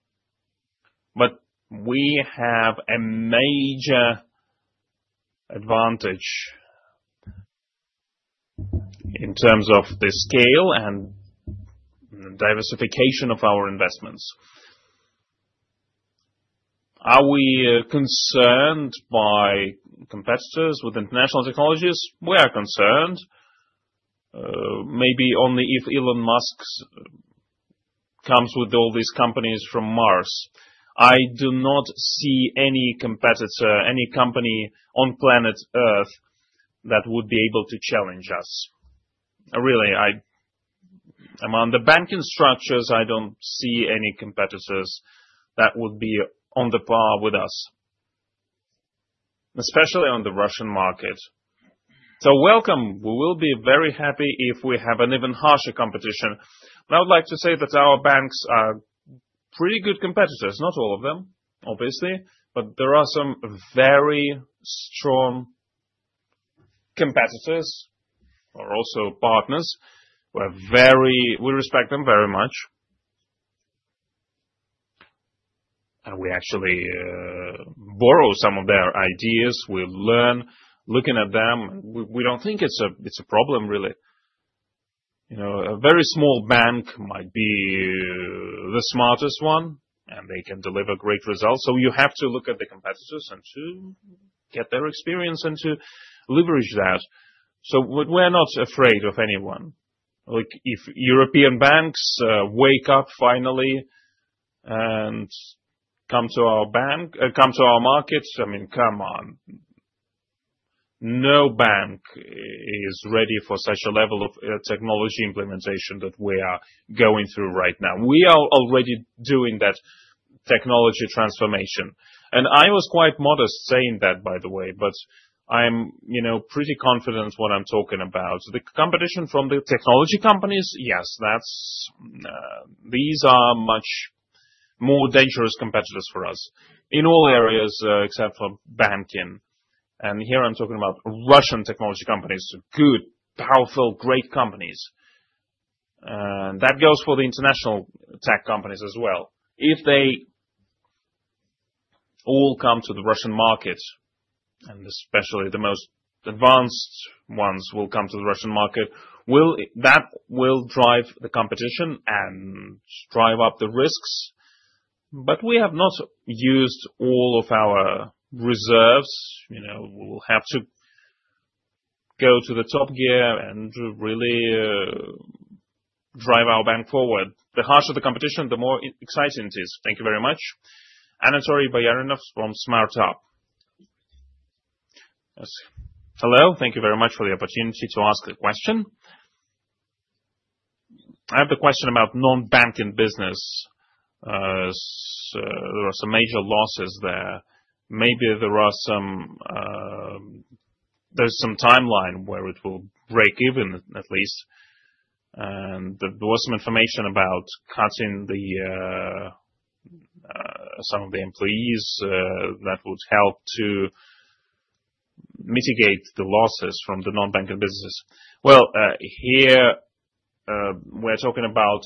We have a major advantage in terms of the scale and diversification of our investments. Are we concerned by competitors with international technologies? We are concerned, maybe only if Elon Musk comes with all these companies from Mars. I do not see any competitor, any company on planet Earth that would be able to challenge us. Really, among the banking structures, I don't see any competitors that would be on par with us, especially on the Russian market. Welcome. We will be very happy if we have an even harsher competition. I would like to say that other banks are pretty good competitors. Not all of them, obviously, but there are some very strong competitors or also partners. We respect them very much. And we actually borrow some of their ideas. We learn looking at them. We don't think it's a problem, really. A very small bank might be the smartest one, and they can deliver great results. So you have to look at the competitors and to get their experience and to leverage that. So we're not afraid of anyone. If European banks wake up finally and come to our markets, I mean, come on. No bank is ready for such a level of technology implementation that we are going through right now. We are already doing that technology transformation. And I was quite modest saying that, by the way, but I'm pretty confident in what I'm talking about. The competition from the technology companies, yes, these are much more dangerous competitors for us in all areas except for banking. And here I'm talking about Russian technology companies. Good, powerful, great companies. That goes for the international tech companies as well. If they all come to the Russian market, and especially the most advanced ones will come to the Russian market, that will drive the competition and drive up the risks. But we have not used all of our reserves. We will have to go to the top gear and really drive our bank forward. The harsher the competition, the more exciting it is. Thank you very much. Anatoliy Panov from Smart-Lab. Hello. Thank you very much for the opportunity to ask a question. I have the question about non-banking business. There are some major losses there. Maybe there is some timeline where it will break even, at least. And there was some information about cutting some of the employees that would help to mitigate the losses from the non-banking businesses. Here we're talking about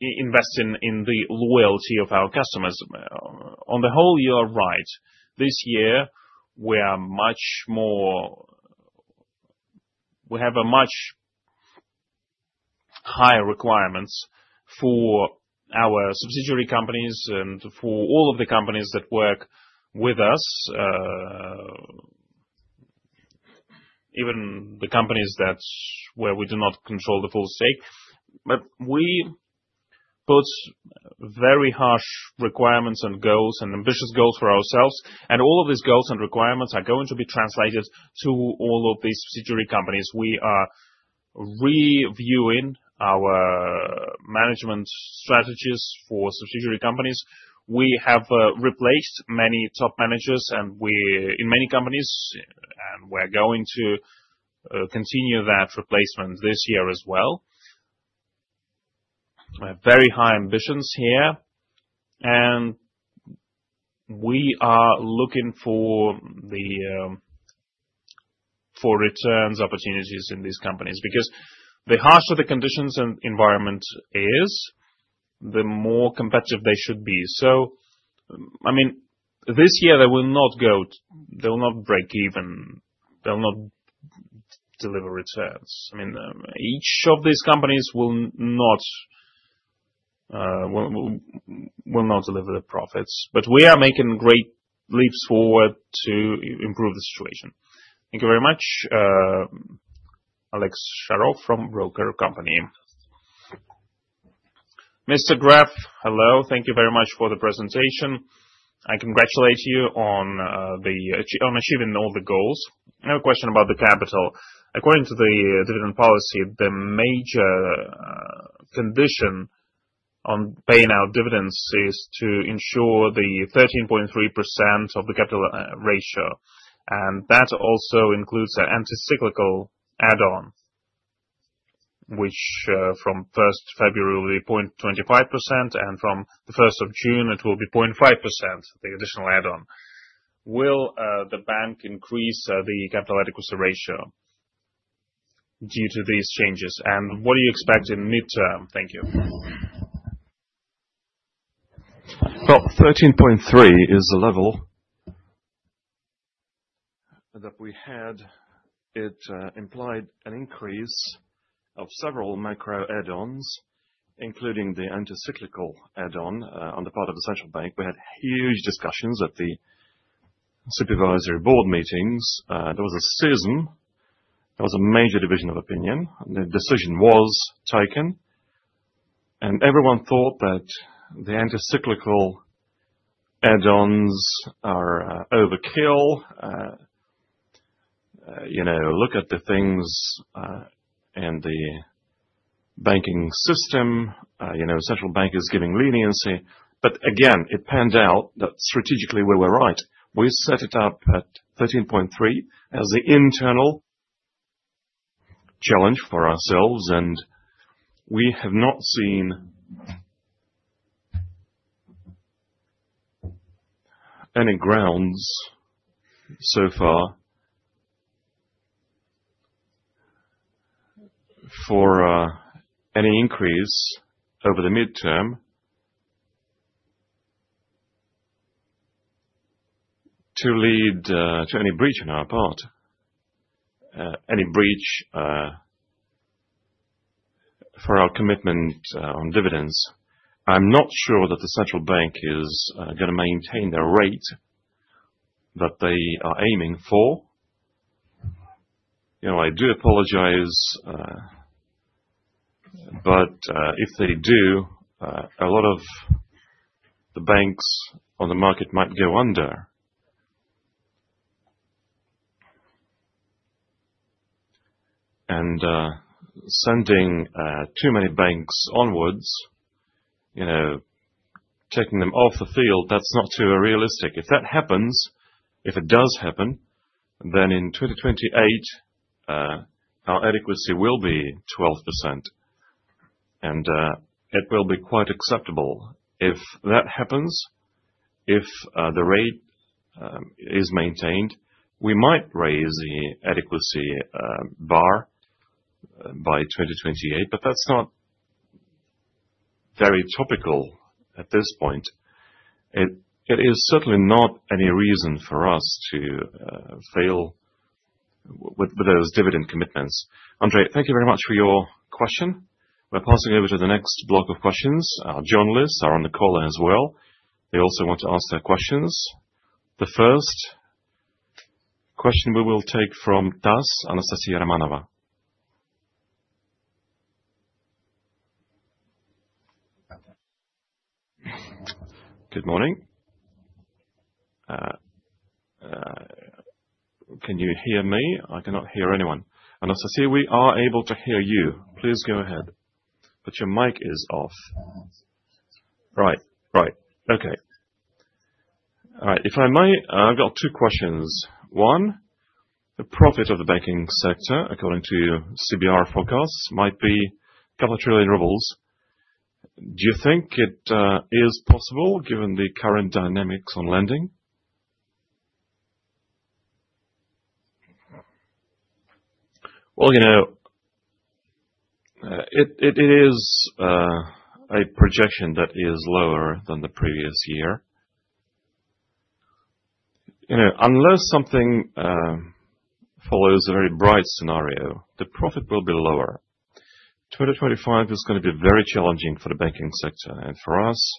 investing in the loyalty of our customers. On the whole, you are right. This year, we have much higher requirements for our subsidiary companies and for all of the companies that work with us, even the companies where we do not control the full stake. But we put very harsh requirements and goals and ambitious goals for ourselves. And all of these goals and requirements are going to be translated to all of these subsidiary companies. We are reviewing our management strategies for subsidiary companies. We have replaced many top managers in many companies, and we're going to continue that replacement this year as well. We have very high ambitions here. And we are looking for returns opportunities in these companies because the harsher the conditions and environment is, the more competitive they should be. I mean, this year, they will not go; they will not break even. They will not deliver returns. I mean, each of these companies will not deliver the profits. But we are making great leaps forward to improve the situation. Thank you very much, Andrey Sharov from Broker Company. Mr. Gref, hello. Thank you very much for the presentation. I congratulate you on achieving all the goals. Another question about the capital. According to the dividend policy, the major condition on paying out dividends is to ensure the 13.3% of the capital ratio. And that also includes an anti-cyclical add-on, which from 1st February will be 0.25%, and from the 1st of June, it will be 0.5%, the additional add-on. Will the bank increase the capital adequacy ratio due to these changes? And what do you expect in midterm? Thank you. 13.3% is a level that we had. It implied an increase of several macro add-ons, including the anti-cyclical add-on on the part of the Central Bank. We had huge discussions at the supervisory board meetings. There was a session. There was a major division of opinion. The decision was taken, and everyone thought that the anti-cyclical add-ons are overkill. Look at the things in the banking system. Central Bank is giving leniency. But again, it panned out that strategically we were right. We set it up at 13.3% as the internal challenge for ourselves, and we have not seen any grounds so far for any increase over the midterm to lead to any breach on our part, any breach for our commitment on dividends. I'm not sure that the Central Bank is going to maintain the rate that they are aiming for. I do apologize, but if they do, a lot of the banks on the market might go under, and sending too many banks onwards, taking them off the field, that's not too realistic. If that happens, if it does happen, then in 2028, our adequacy will be 12%, and it will be quite acceptable. If that happens, if the rate is maintained, we might raise the adequacy bar by 2028, but that's not very topical at this point. It is certainly not any reason for us to fail with those dividend commitments. Andrey, thank you very much for your question. We're passing over to the next block of questions. Our journalists are on the call as well. They also want to ask their questions. The first question we will take from TASS, Anastasia Romanova. Good morning. Can you hear me? I cannot hear anyone. Anastasia, we are able to hear you. Please go ahead. But your mic is off. Right. Right. Okay. All right. If I may, I've got two questions. One, the profit of the banking sector, according to CBR forecasts, might be 2 trillion rubles. Do you think it is possible given the current dynamics on lending? Well, it is a projection that is lower than the previous year. Unless something follows a very bright scenario, the profit will be lower. 2025 is going to be very challenging for the banking sector. And for us,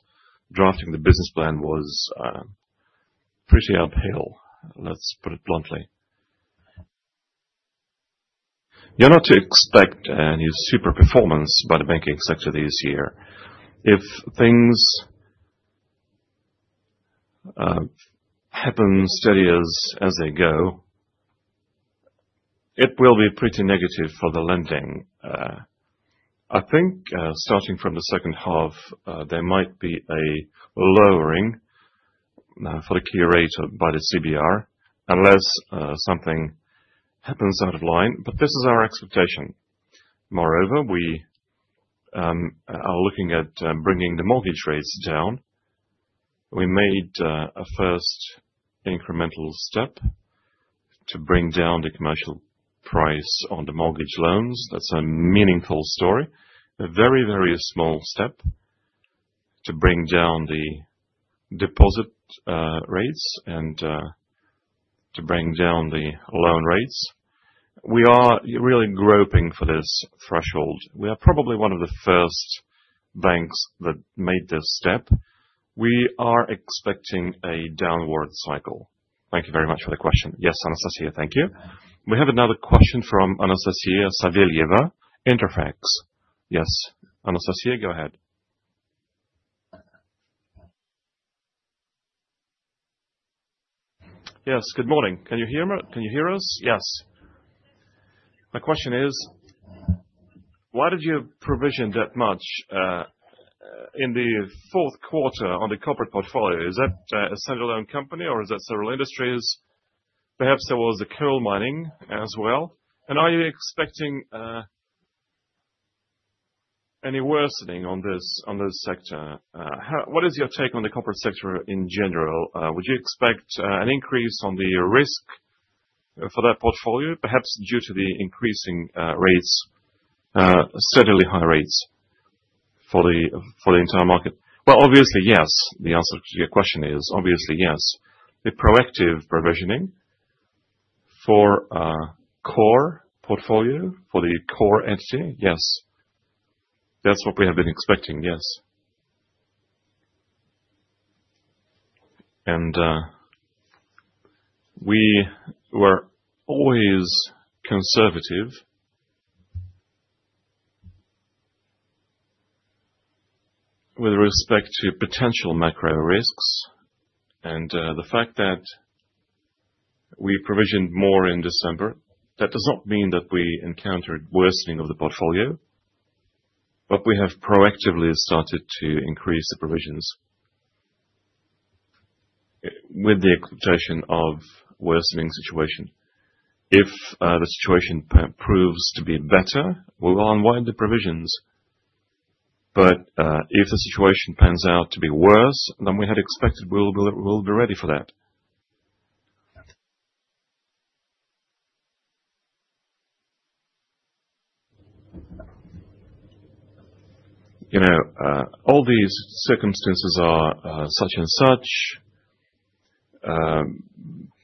drafting the business plan was pretty uphill, let's put it bluntly. You're not to expect any super performance by the banking sector this year. If things happen steady as they go, it will be pretty negative for the lending. I think starting from the second half, there might be a lowering for the key rate by the CBR unless something happens out of line. But this is our expectation. Moreover, we are looking at bringing the mortgage rates down. We made a first incremental step to bring down the commercial price on the mortgage loans. That's a meaningful story. A very, very small step to bring down the deposit rates and to bring down the loan rates. We are really groping for this threshold. We are probably one of the first banks that made this step. We are expecting a downward cycle. Thank you very much for the question. Yes, Anastasia, thank you. We have another question from Anastasia Savelyeva, Interfax. Yes, Anastasia, go ahead. Yes, good morning. Can you hear us? Yes. My question is, why did you provision that much in the fourth quarter on the corporate portfolio? Is that a single loan company or is that several industries? Perhaps there was a coal mining as well. And are you expecting any worsening on this sector? What is your take on the corporate sector in general? Would you expect an increase on the risk for that portfolio, perhaps due to the increasing rates, steadily high rates for the entire market? Well, obviously, yes. The answer to your question is obviously yes. The proactive provisioning for core portfolio, for the core entity, yes. That's what we have been expecting, yes. And we were always conservative with respect to potential macro risks. And the fact that we provisioned more in December, that does not mean that we encountered worsening of the portfolio, but we have proactively started to increase the provisions with the expectation of worsening situation. If the situation proves to be better, we will unwind the provisions. But if the situation pans out to be worse, then we had expected we'll be ready for that. All these circumstances are such and such.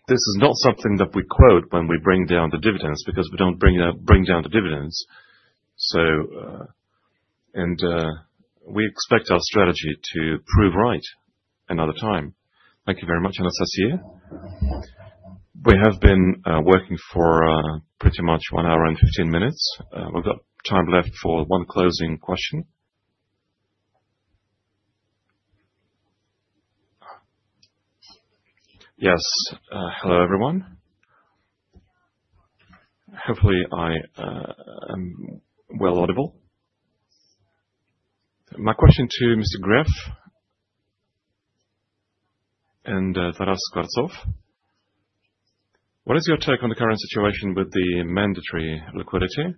This is not something that we quote when we bring down the dividends because we don't bring down the dividends. And we expect our strategy to prove right another time. Thank you very much, Anastasia. We have been working for pretty much one hour and 15 minutes. We've got time left for one closing question. Yes. Hello, everyone. Hopefully, I am well audible. My question to Mr. Gref and Taras Skvortsov. What is your take on the current situation with the mandatory liquidity?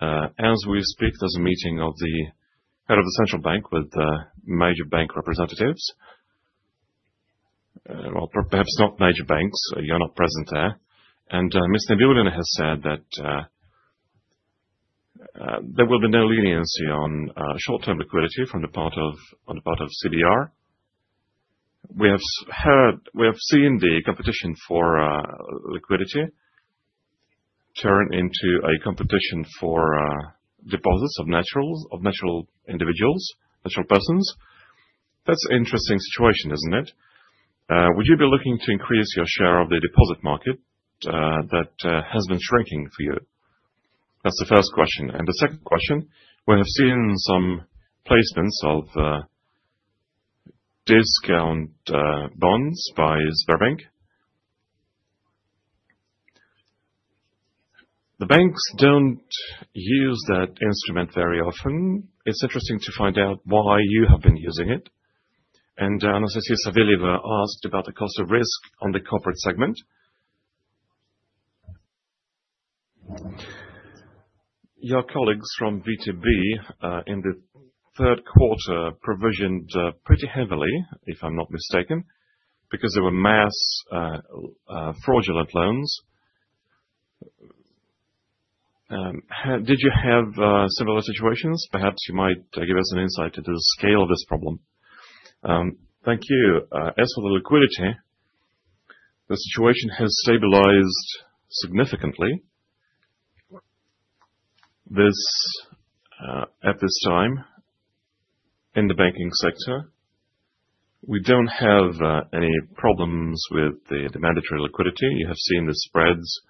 As we speak, there's a meeting of the head of the Central Bank with major bank representatives. Perhaps not major banks. You're not present there. Ms. Nabiullina has said that there will be no leniency on short-term liquidity from the part of CBR. We have seen the competition for liquidity turn into a competition for deposits of natural individuals, natural persons. That's an interesting situation, isn't it? Would you be looking to increase your share of the deposit market that has been shrinking for you? That's the first question. The second question, we have seen some placements of discount bonds by SberBank. The banks don't use that instrument very often. It's interesting to find out why you have been using it. Anastasia Savelyeva asked about the cost of risk on the corporate segment. Your colleagues from VTB in the third quarter provisioned pretty heavily, if I'm not mistaken, because there were mass fraudulent loans. Did you have similar situations? Perhaps you might give us an insight into the scale of this problem. Thank you. As for the liquidity, the situation has stabilized significantly at this time in the banking sector. We don't have any problems with the mandatory liquidity. You have seen the spreads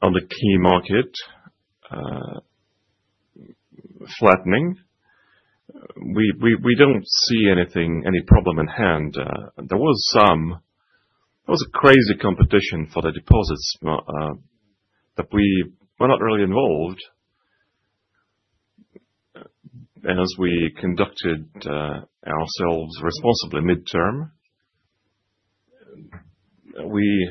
on the key market flattening. We don't see any problem in hand. There was a crazy competition for the deposits that we were not really involved. As we conducted ourselves responsibly midterm, we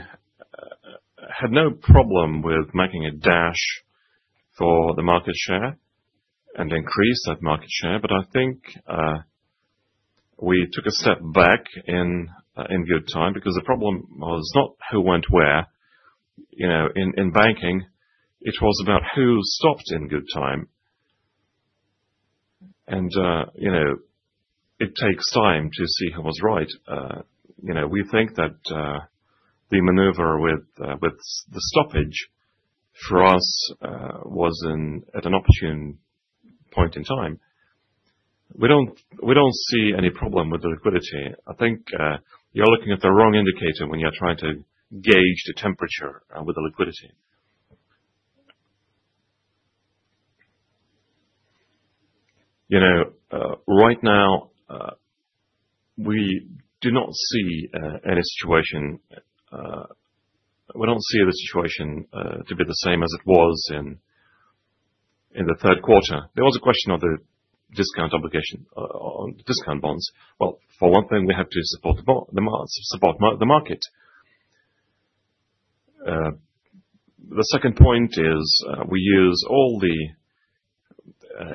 had no problem with making a dash for the market share and increase that market share. But I think we took a step back in good time because the problem was not who went where. In banking, it was about who stopped in good time. It takes time to see who was right. We think that the maneuver with the stoppage for us was at an opportune point in time. We don't see any problem with the liquidity. I think you're looking at the wrong indicator when you're trying to gauge the temperature with the liquidity. Right now, we do not see any situation. We don't see the situation to be the same as it was in the third quarter. There was a question of the discount obligation, discount bonds, well, for one thing, we have to support the market. The second point is we use all the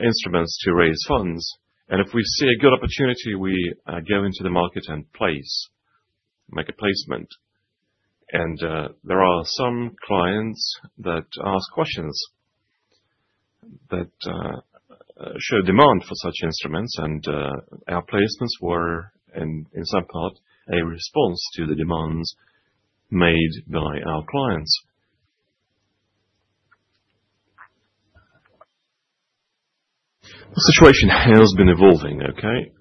instruments to raise funds. If we see a good opportunity, we go into the market and place, make a placement. There are some clients that ask questions that show demand for such instruments. Our placements were, in some part, a response to the demands made by our clients. The situation has been evolving, okay?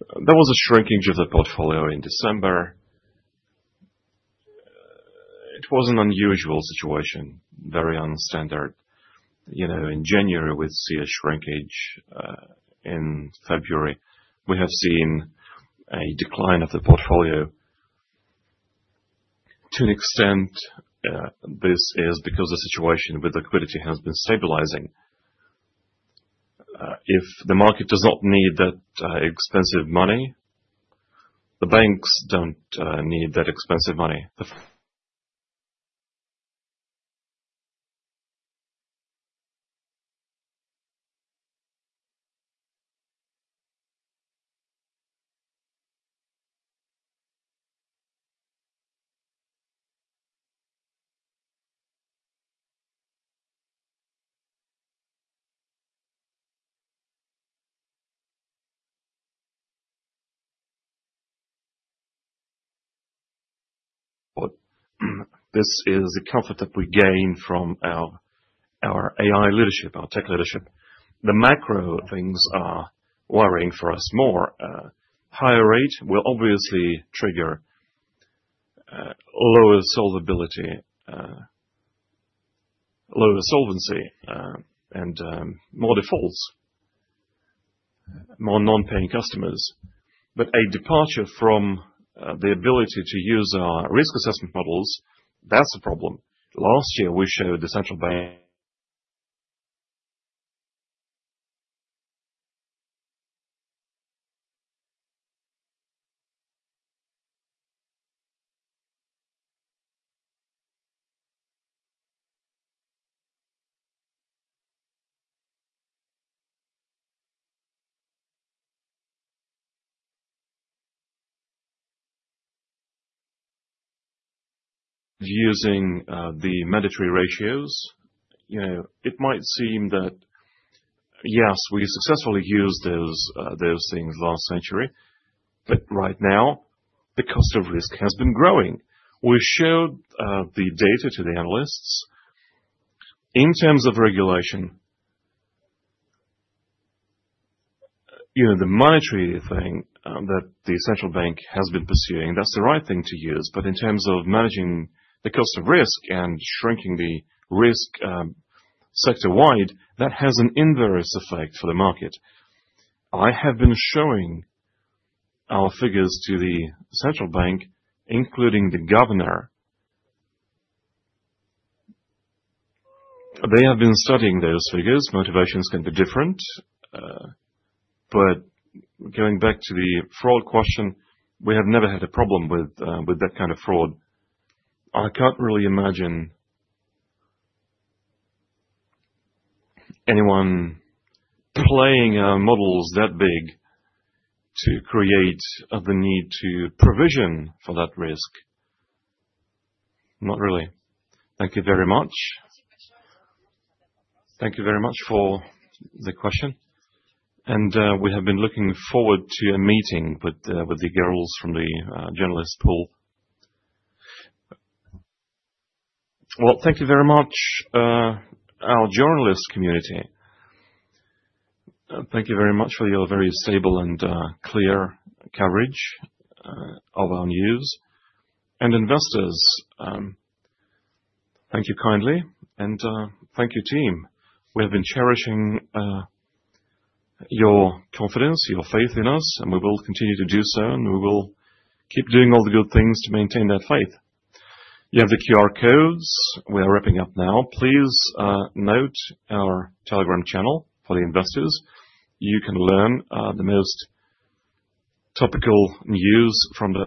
There was a shrinking of the portfolio in December. It was an unusual situation, very nonstandard. In January, we'd see a shrinkage. In February, we have seen a decline of the portfolio. To an extent, this is because the situation with liquidity has been stabilizing. If the market does not need that expensive money, the banks don't need that expensive money. This is the comfort that we gain from our AI leadership, our tech leadership. The macro things are worrying for us more. Higher rates will obviously trigger lower solvency, lower solvency, and more defaults, more non-paying customers. But a departure from the ability to use our risk assessment models, that's a problem. Last year, we showed the Central Bank. Using the mandatory ratios, it might seem that, yes, we successfully used those things last century. But right now, the cost of risk has been growing. We showed the data to the analysts. In terms of regulation, the monetary thing that the Central Bank has been pursuing, that's the right thing to use. But in terms of managing the cost of risk and shrinking the risk sector wide, that has an inverse effect for the market. I have been showing our figures to the Central Bank, including the governor. They have been studying those figures. Motivations can be different. But going back to the fraud question, we have never had a problem with that kind of fraud. I can't really imagine anyone playing our models that big to create the need to provision for that risk. Not really. Thank you very much. Thank you very much for the question. We have been looking forward to a meeting with the girls from the journalist pool. Thank you very much, our journalist community. Thank you very much for your very stable and clear coverage of our news. Investors, thank you kindly. Thank you, team. We have been cherishing your confidence, your faith in us, and we will continue to do so, and we will keep doing all the good things to maintain that faith. You have the QR codes. We are wrapping up now. Please note our Telegram channel for the investors. You can learn the most topical news from.